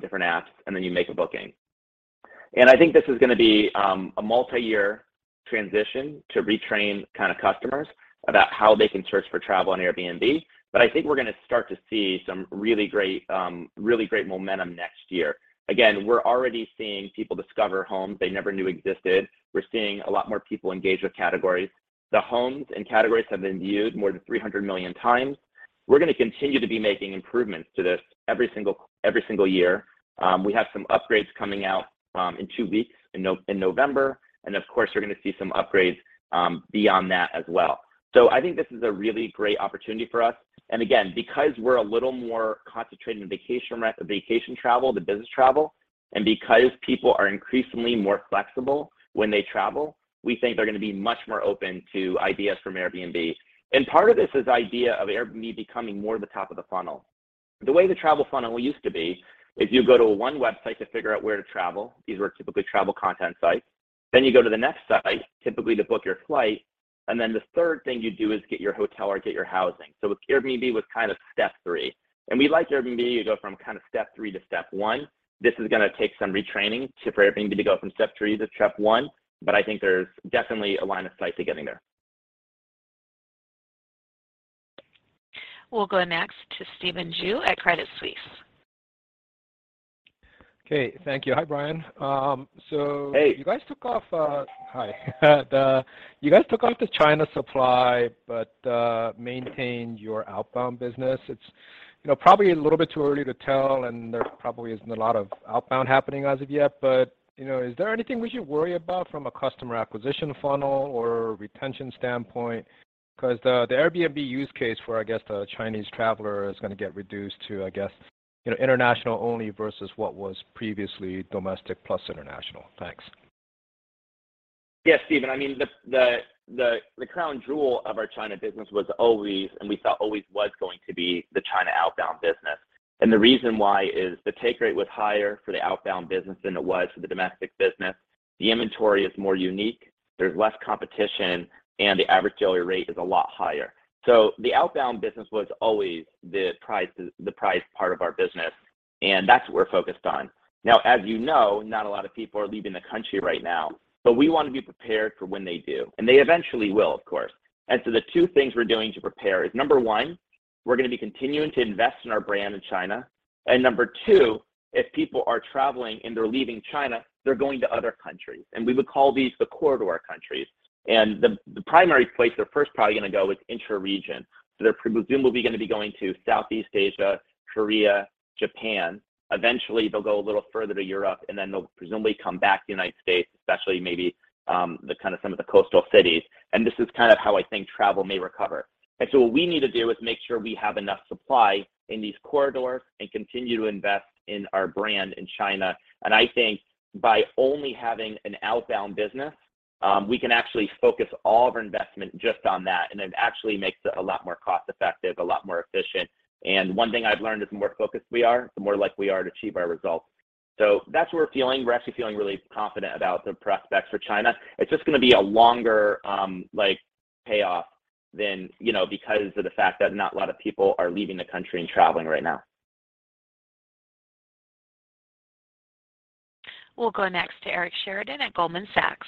different apps, and then you make a booking. I think this is gonna be a multiyear transition to retrain kinda customers about how they can search for travel on Airbnb. I think we're gonna start to see some really great momentum next year. Again, we're already seeing people discover homes they never knew existed. We're seeing a lot more people engage with categories. The homes and categories have been viewed more than 300 million times. We're gonna continue to be making improvements to this every single year. We have some upgrades coming out in two weeks in November. Of course, you're gonna see some upgrades beyond that as well. I think this is a really great opportunity for us. Again, because we're a little more concentrated in vacation travel than business travel, and because people are increasingly more flexible when they travel, we think they're gonna be much more open to ideas from Airbnb. Part of this is the idea of Airbnb becoming more the top of the funnel. The way the travel funnel used to be is you go to one website to figure out where to travel. These were typically travel content sites. You go to the next site, typically to book your flight, and then the third thing you do is get your hotel or get your housing. Airbnb was kind of step three, and we'd like Airbnb to go from kinda step three to step one. This is gonna take some retraining for Airbnb to go from step three to step one, but I think there's definitely a line of sight to getting there. We'll go next to Stephen Ju at Credit Suisse. Okay, thank you. Hi, Brian. Hey. You guys took off the China supply, but maintained your outbound business. It's, you know, probably a little bit too early to tell, and there probably isn't a lot of outbound happening as of yet. You know, is there anything we should worry about from a customer acquisition funnel or retention standpoint? Because the Airbnb use case for, I guess, the Chinese traveler is gonna get reduced to, I guess, you know, international only versus what was previously domestic plus international. Thanks. Yes, Stephen. I mean, the crown jewel of our China business was always, and we thought always was going to be the China outbound business. The reason why is the take rate was higher for the outbound business than it was for the domestic business. The inventory is more unique. There's less competition, and the average daily rate is a lot higher. The outbound business was always the prized part of our business, and that's what we're focused on. Now, as you know, not a lot of people are leaving the country right now, but we want to be prepared for when they do, and they eventually will, of course. The two things we're doing to prepare is, number one, we're going to be continuing to invest in our brand in China. Number two, if people are traveling and they're leaving China, they're going to other countries, and we would call these the corridor countries. The primary place they're first probably going to go is intra-region. They're presumably going to be going to Southeast Asia, Korea, Japan. Eventually, they'll go a little further to Europe, and then they'll presumably come back to the United States, especially maybe, the kind of some of the coastal cities. This is kind of how I think travel may recover. What we need to do is make sure we have enough supply in these corridors and continue to invest in our brand in China. I think by only having an outbound business, we can actually focus all of our investment just on that, and it actually makes it a lot more cost-effective, a lot more efficient. One thing I've learned is the more focused we are, the more likely we are to achieve our results. That's what we're feeling. We're actually feeling really confident about the prospects for China. It's just going to be a longer, like payoff than, you know, because of the fact that not a lot of people are leaving the country and traveling right now. We'll go next to Eric Sheridan at Goldman Sachs.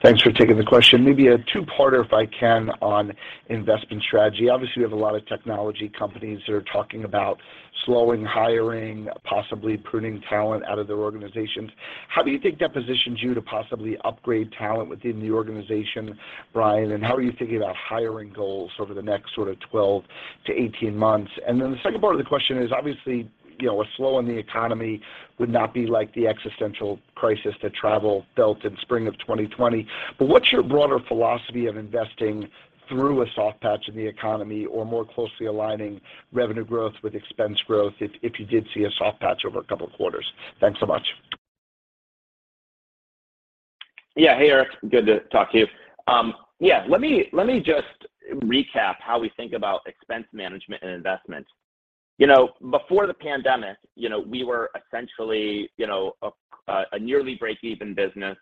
Thanks for taking the question. Maybe a two-parter, if I can, on investment strategy. Obviously, you have a lot of technology companies that are talking about slowing hiring, possibly pruning talent out of their organizations. How do you think that positions you to possibly upgrade talent within the organization, Brian? How are you thinking about hiring goals over the next sort of 12 to 18 months? The second part of the question is, obviously, you know, a slowdown in the economy would not be like the existential crisis that travel felt in spring of 2020. What's your broader philosophy of investing through a soft patch in the economy or more closely aligning revenue growth with expense growth if you did see a soft patch over a couple of quarters? Thanks so much. Yeah. Hey, Eric, good to talk to you. Yeah, let me just recap how we think about expense management and investment. You know, before the pandemic, you know, we were essentially, you know, a nearly breakeven business,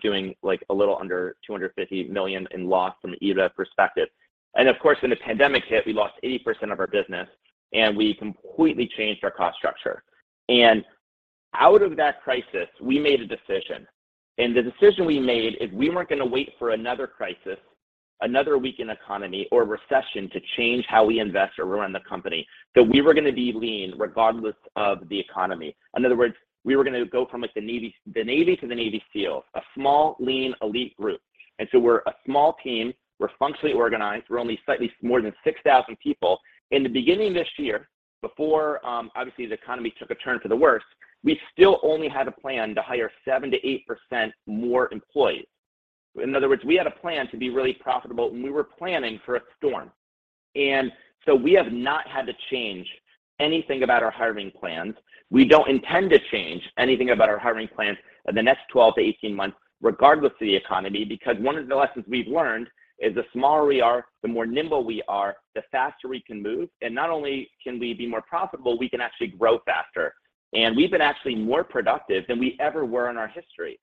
doing like a little under $250 million in loss from an EBITDA perspective. Of course, when the pandemic hit, we lost 80% of our business, and we completely changed our cost structure. Out of that crisis, we made a decision. The decision we made is we weren't going to wait for another crisis, another weakened economy or recession to change how we invest or run the company, that we were going to be lean regardless of the economy. In other words, we were going to go from like the Navy to the Navy SEALs, a small, lean, elite group. We're a small team. We're functionally organized. We're only slightly more than 6,000 people. In the beginning of this year, before obviously the economy took a turn for the worse, we still only had a plan to hire 7%-8% more employees. In other words, we had a plan to be really profitable, and we were planning for a storm. We have not had to change anything about our hiring plans. We don't intend to change anything about our hiring plans in the next 12-18 months, regardless of the economy, because one of the lessons we've learned is the smaller we are, the more nimble we are, the faster we can move. Not only can we be more profitable, we can actually grow faster. We've been actually more productive than we ever were in our history.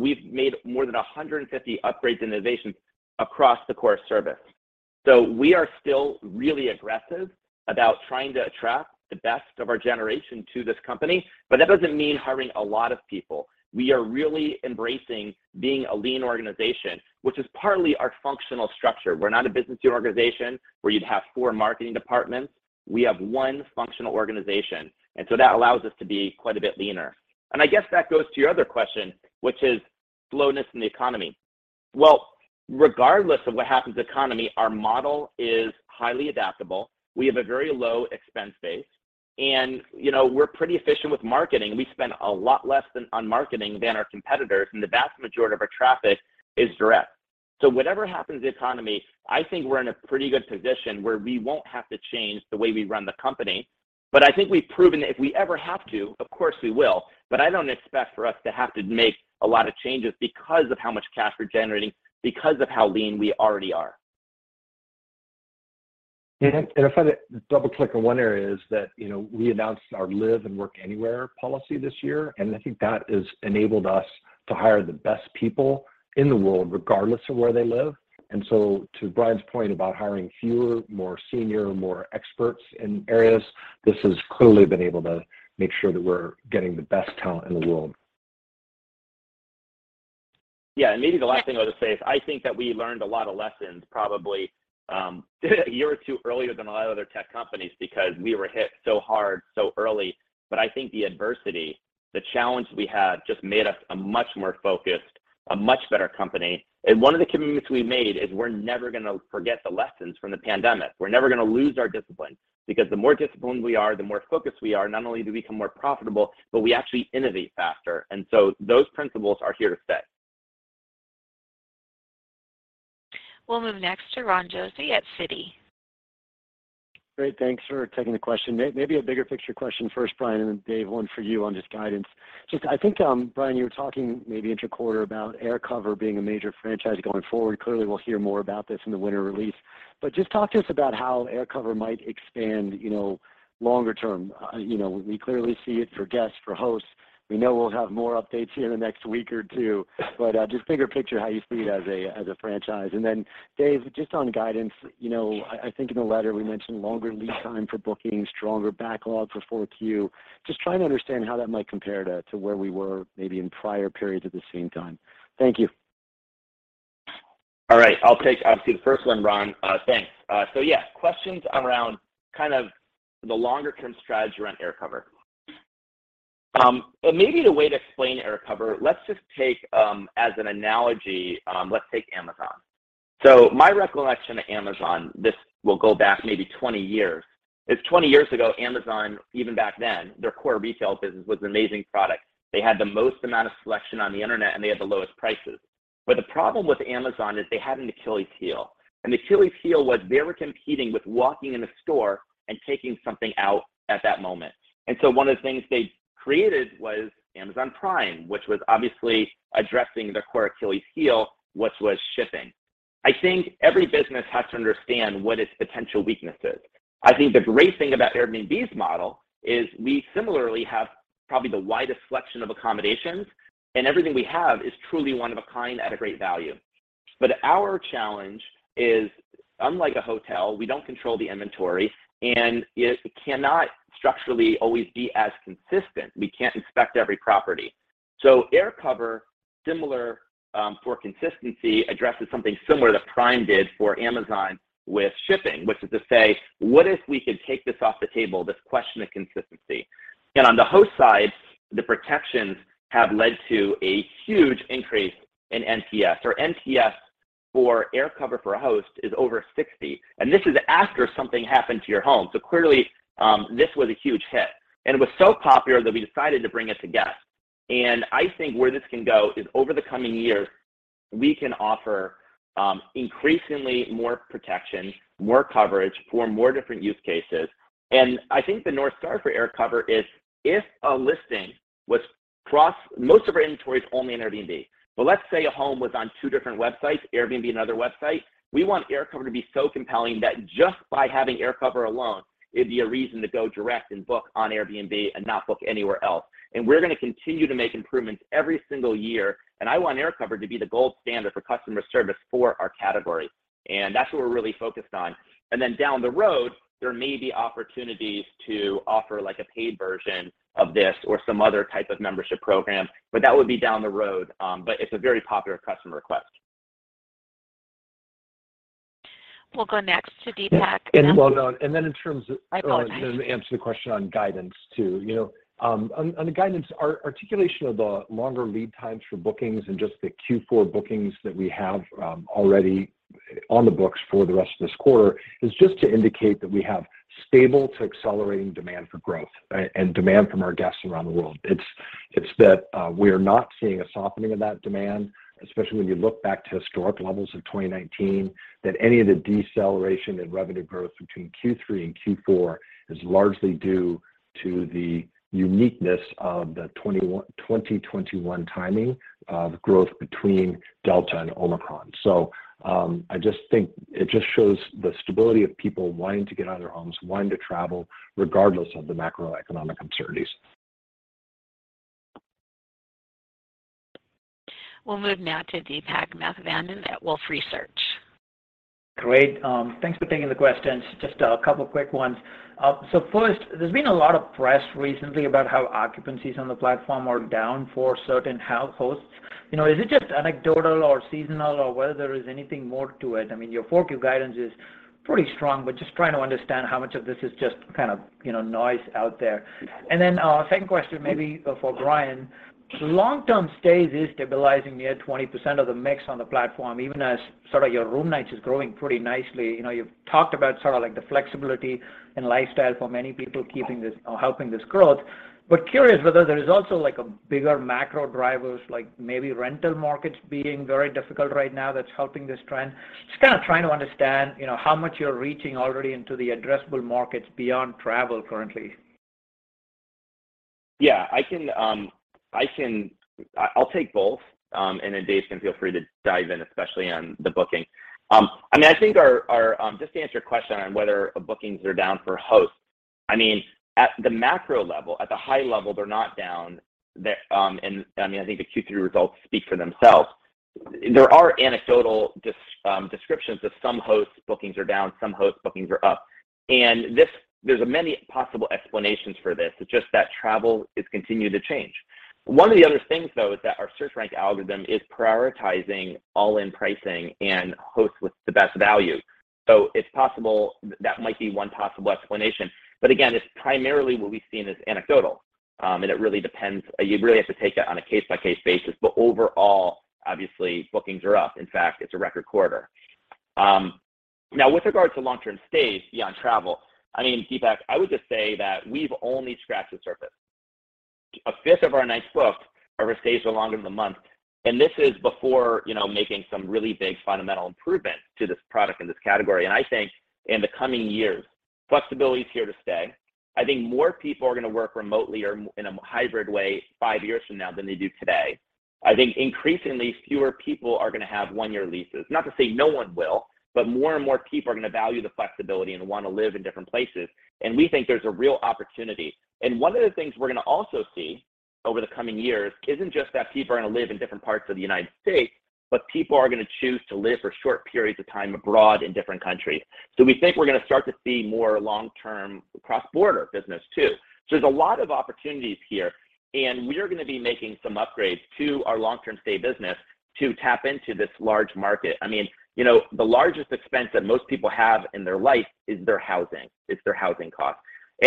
We've made more than 150 upgrades and innovations across the core service. We are still really aggressive about trying to attract the best of our generation to this company. That doesn't mean hiring a lot of people. We are really embracing being a lean organization, which is partly our functional structure. We're not a business unit organization where you'd have four marketing departments. We have one functional organization, and so that allows us to be quite a bit leaner. I guess that goes to your other question, which is slowness in the economy. Well, regardless of what happens to the economy, our model is highly adaptable. We have a very low expense base, and, you know, we're pretty efficient with marketing. We spend a lot less on marketing than our competitors, and the vast majority of our traffic is direct. Whatever happens to the economy, I think we're in a pretty good position where we won't have to change the way we run the company. I think we've proven that if we ever have to, of course we will. I don't expect for us to have to make a lot of changes because of how much cash we're generating, because of how lean we already are. If I could double-click on one area is that, you know, we announced our live and work anywhere policy this year, and I think that has enabled us to hire the best people in the world, regardless of where they live. To Brian's point about hiring fewer, more senior, more experts in areas, this has clearly been able to make sure that we're getting the best talent in the world. Yeah. Maybe the last thing I would say is I think that we learned a lot of lessons probably, a year or two earlier than a lot of other tech companies because we were hit so hard so early. I think the adversity, the challenge we had just made us a much more focused, a much more better company. One of the commitments we made is we're never going to forget the lessons from the pandemic. We're never going to lose our discipline because the more disciplined we are, the more focused we are, not only do we become more profitable, but we actually innovate faster. Those principles are here to stay. We'll move next to Ron Josey at Citi. Great, thanks for taking the question. Maybe a bigger picture question first, Brian, and then Dave, one for you on just guidance. Just, I think, Brian, you were talking maybe interquarter about AirCover being a major franchise going forward. Clearly, we'll hear more about this in the winter release. Just talk to us about how AirCover might expand, you know, longer term. You know, we clearly see it for guests, for hosts. We know we'll have more updates here in the next week or two. Just bigger picture, how you see it as a franchise. Then Dave, just on guidance, you know, I think in the letter we mentioned longer lead time for bookings, stronger backlog for 4Q. Just trying to understand how that might compare to where we were maybe in prior periods at the same time. Thank you. All right, I'll take obviously the first one, Ron. Thanks. Yeah, questions around kind of the longer term strategy around AirCover. Maybe the way to explain AirCover, let's just take, as an analogy, Amazon. My recollection of Amazon, this will go back maybe 20 years, is 20 years ago, Amazon, even back then, their core retail business was an amazing product. They had the most amount of selection on the internet, and they had the lowest prices. The problem with Amazon is they had an Achilles' heel, and the Achilles' heel was they were competing with walking in a store and taking something out at that moment. One of the things they created was Amazon Prime, which was obviously addressing their core Achilles' heel, which was shipping. I think every business has to understand what its potential weakness is. I think the great thing about Airbnb's model is we similarly have probably the widest selection of accommodations, and everything we have is truly one of a kind at a great value. But our challenge is, unlike a hotel, we don't control the inventory, and it cannot structurally always be as consistent. We can't inspect every property. So AirCover, similar, for consistency, addresses something similar to Prime did for Amazon with shipping, which is to say, what if we could take this off the table, this question of consistency? On the host side, the protections have led to a huge increase in NPS, or NPS for AirCover for a host is over 60, and this is after something happened to your home. Clearly, this was a huge hit, and it was so popular that we decided to bring it to guests. I think where this can go is over the coming years, we can offer increasingly more protection, more coverage for more different use cases. I think the North Star for AirCover is if a listing was. Most of our inventory is only on Airbnb. Let's say a home was on two different websites, Airbnb and other website. We want AirCover to be so compelling that just by having AirCover alone, it'd be a reason to go direct and book on Airbnb and not book anywhere else. We're gonna continue to make improvements every single year, and I want AirCover to be the gold standard for customer service for our category. That's what we're really focused on. Down the road, there may be opportunities to offer like a paid version of this or some other type of membership program, but that would be down the road. It's a very popular customer request. We'll go next to Deepak. Yeah. Well known. In terms of- I apologize. To answer the question on guidance, too. You know, on the guidance, our articulation of the longer lead times for bookings and just the Q4 bookings that we have already on the books for the rest of this quarter is just to indicate that we have stable to accelerating demand for growth and demand from our guests around the world. It's that we're not seeing a softening of that demand, especially when you look back to historic levels of 2019, that any of the deceleration in revenue growth between Q3 and Q4 is largely due to the uniqueness of the 2021 timing of growth between Delta and Omicron. I just think it just shows the stability of people wanting to get out of their homes, wanting to travel regardless of the macroeconomic uncertainties. We'll move now to Deepak Mathivanan at Wolfe Research. Great. Thanks for taking the questions. Just a couple quick ones. First, there's been a lot of press recently about how occupancies on the platform are down for certain house hosts. You know, is it just anecdotal or seasonal or whether there is anything more to it? I mean, your 4Q guidance is pretty strong, but just trying to understand how much of this is just kind of, you know, noise out there. Second question maybe for Brian. Long-term stays is stabilizing near 20% of the mix on the platform, even as sort of your room nights is growing pretty nicely. You know, you've talked about sort of like the flexibility and lifestyle for many people keeping this or helping this growth. Curious whether there is also like a bigger macro drivers, like maybe rental markets being very difficult right now that's helping this trend. Just kinda trying to understand, you know, how much you're reaching already into the addressable markets beyond travel currently. Yeah, I can. I'll take both, and then Dave can feel free to dive in, especially on the booking. I mean, I think our just to answer your question on whether bookings are down for hosts, I mean, at the macro level, at the high level, they're not down, and I mean, I think the Q3 results speak for themselves. There are anecdotal descriptions of some hosts' bookings are down, some hosts' bookings are up. There's many possible explanations for this. It's just that travel is continuing to change. One of the other things, though, is that our search rank algorithm is prioritizing all-in pricing and hosts with the best value. It's possible that might be one possible explanation. Again, it's primarily what we've seen is anecdotal, and it really depends. You really have to take it on a case-by-case basis. Overall, obviously, bookings are up. In fact, it's a record quarter. Now with regard to long term stays beyond travel, I mean, Deepak, I would just say that we've only scratched the surface. A fifth of our nights booked are longer than a month, and this is before, you know, making some really big fundamental improvements to this product and this category. I think in the coming years, flexibility is here to stay. I think more people are gonna work remotely or in a hybrid way five years from now than they do today. I think increasingly fewer people are gonna have one-year leases. Not to say no one will, but more and more people are gonna value the flexibility and wanna live in different places, and we think there's a real opportunity. One of the things we're gonna also see over the coming years isn't just that people are gonna live in different parts of the United States, but people are gonna choose to live for short periods of time abroad in different countries. We think we're gonna start to see more long-term cross-border business too. There's a lot of opportunities here, and we're gonna be making some upgrades to our long-term stay business to tap into this large market. I mean, you know, the largest expense that most people have in their life is their housing costs.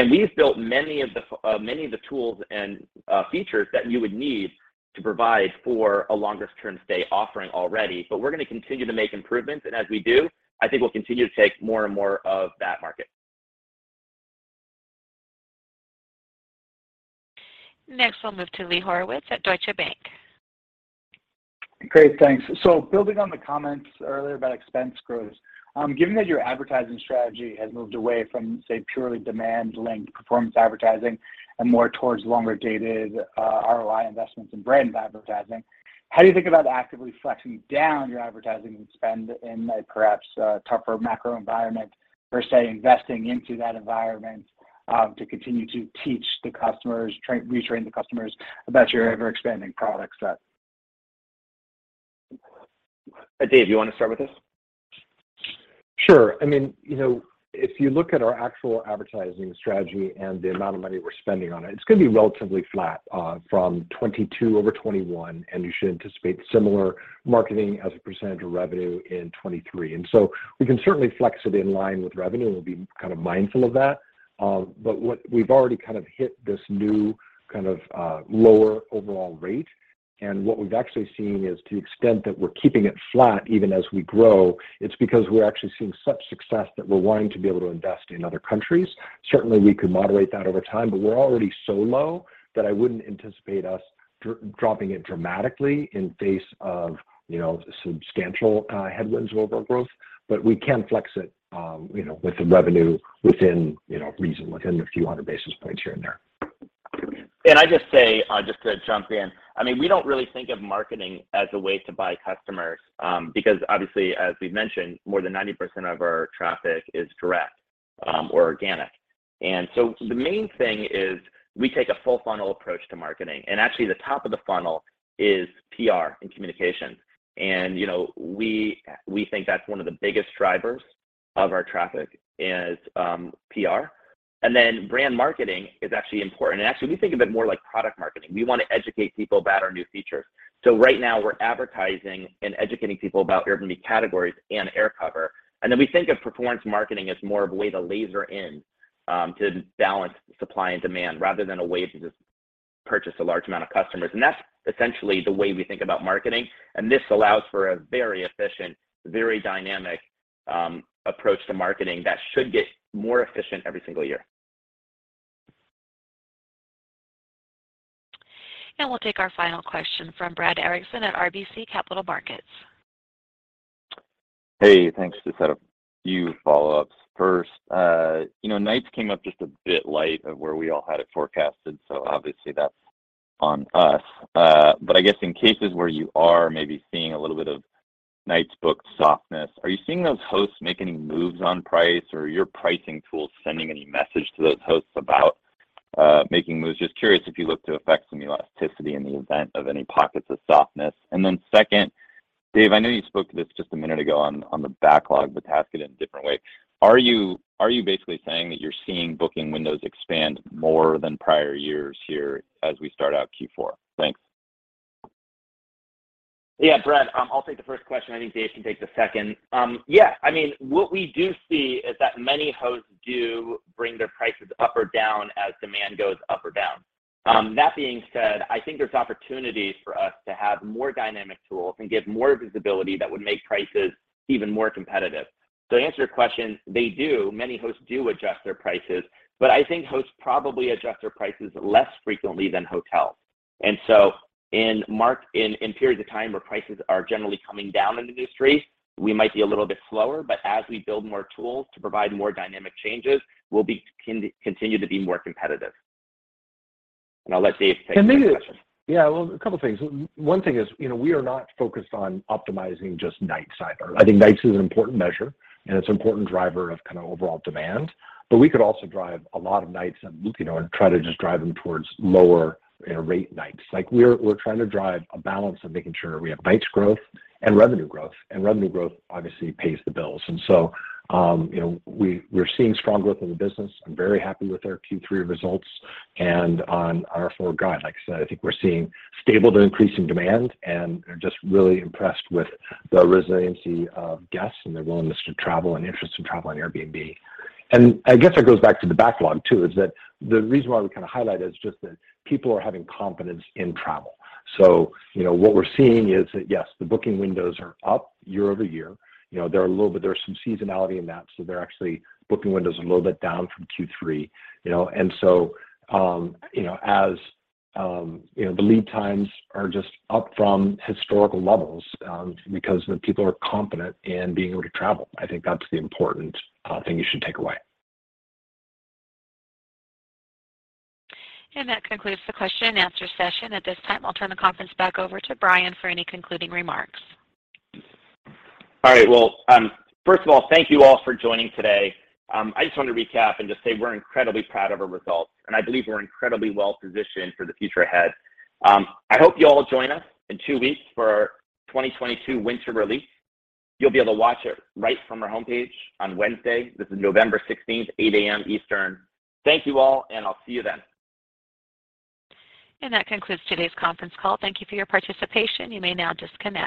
We've built many of the tools and features that you would need to provide for a longest term stay offering already. We're gonna continue to make improvements, and as we do, I think we'll continue to take more and more of that market. Next, we'll move to Lee Horowitz at Deutsche Bank. Great. Thanks. Building on the comments earlier about expense growth, given that your advertising strategy has moved away from, say, purely demand-linked performance advertising and more towards longer dated, ROI investments in brand advertising, how do you think about actively flexing down your advertising spend in a perhaps tougher macro environment versus say, investing into that environment, to continue to teach the customers, retrain the customers about your ever-expanding product set? Dave, do you wanna start with this? Sure. I mean, you know, if you look at our actual advertising strategy and the amount of money we're spending on it's gonna be relatively flat from 2022 over 2021, and you should anticipate similar marketing as a percentage of revenue in 2023. We can certainly flex it in line with revenue, and we'll be kind of mindful of that. What we've already kind of hit this new kind of lower overall rate. What we've actually seen is to the extent that we're keeping it flat even as we grow, it's because we're actually seeing such success that we're wanting to be able to invest in other countries. Certainly, we could moderate that over time, but we're already so low that I wouldn't anticipate us dropping it dramatically in face of, you know, substantial headwinds over our growth. We can flex it, you know, with the revenue within, you know, reason, within a few hundred basis points here and there. Can I just say, just to jump in. I mean, we don't really think of marketing as a way to buy customers, because obviously, as we've mentioned, more than 90% of our traffic is direct, or organic. The main thing is we take a full funnel approach to marketing, and actually, the top of the funnel is PR and communication. You know, we think that's one of the biggest drivers of our traffic is PR. And then brand marketing is actually important. Actually, we think of it more like product marketing. We wanna educate people about our new features. Right now, we're advertising and educating people about Airbnb Categories and AirCover. We think of performance marketing as more of a way to laser in, to balance supply and demand rather than a way to just purchase a large amount of customers. That's essentially the way we think about marketing, and this allows for a very efficient, very dynamic, approach to marketing that should get more efficient every single year. We'll take our final question from Brad Erickson at RBC Capital Markets. Hey, thanks. Just have a few follow-ups. First, you know, nights came up just a bit light of where we all had it forecasted, so obviously that's on us. But I guess in cases where you are maybe seeing a little bit of nights booked softness, are you seeing those hosts make any moves on price or your pricing tool sending any message to those hosts about making moves? Just curious if you look to affect some elasticity in the event of any pockets of softness. Second, Dave, I know you spoke to this just a minute ago on the backlog, but to ask it in a different way. Are you basically saying that you're seeing booking windows expand more than prior years here as we start out Q4? Thanks. Yeah. Brad, I'll take the first question. I think Dave can take the second. Yeah. I mean, what we do see is that many hosts do bring their prices up or down as demand goes up or down. That being said, I think there's opportunities for us to have more dynamic tools and give more visibility that would make prices even more competitive. To answer your question, they do. Many hosts do adjust their prices, but I think hosts probably adjust their prices less frequently than hotels. In periods of time where prices are generally coming down in the industry, we might be a little bit slower. As we build more tools to provide more dynamic changes, we'll continue to be more competitive. I'll let Dave take the next question. Well, a couple of things. One thing is, you know, we are not focused on optimizing just night side earnings. I think nights is an important measure, and it's an important driver of kind of overall demand. But we could also drive a lot of nights and, you know, and try to just drive them towards lower rate nights. Like, we're trying to drive a balance of making sure we have nights growth and revenue growth. And revenue growth obviously pays the bills. And so, you know, we're seeing strong growth in the business. I'm very happy with our Q3 results and on our forward guide. Like I said, I think we're seeing stable to increasing demand, and I'm just really impressed with the resiliency of guests and their willingness to travel and interest in travel on Airbnb. I guess it goes back to the backlog too. The reason why we kind of highlight it is just that people are having confidence in travel. You know, what we're seeing is that, yes, the booking windows are up year-over-year. You know, they're a little bit, there are some seasonality in that, so they're actually booking windows a little bit down from Q3, you know. You know, the lead times are just up from historical levels, because people are confident in being able to travel. I think that's the important thing you should take away. That concludes the question and answer session. At this time, I'll turn the conference back over to Brian for any concluding remarks. All right. Well, first of all, thank you all for joining today. I just want to recap and just say we're incredibly proud of our results, and I believe we're incredibly well positioned for the future ahead. I hope you all join us in two weeks for our 2022 winter release. You'll be able to watch it right from our homepage on Wednesday. This is November 16th, 8 A.M. Eastern. Thank you all, and I'll see you then. That concludes today's conference call. Thank you for your participation. You may now disconnect.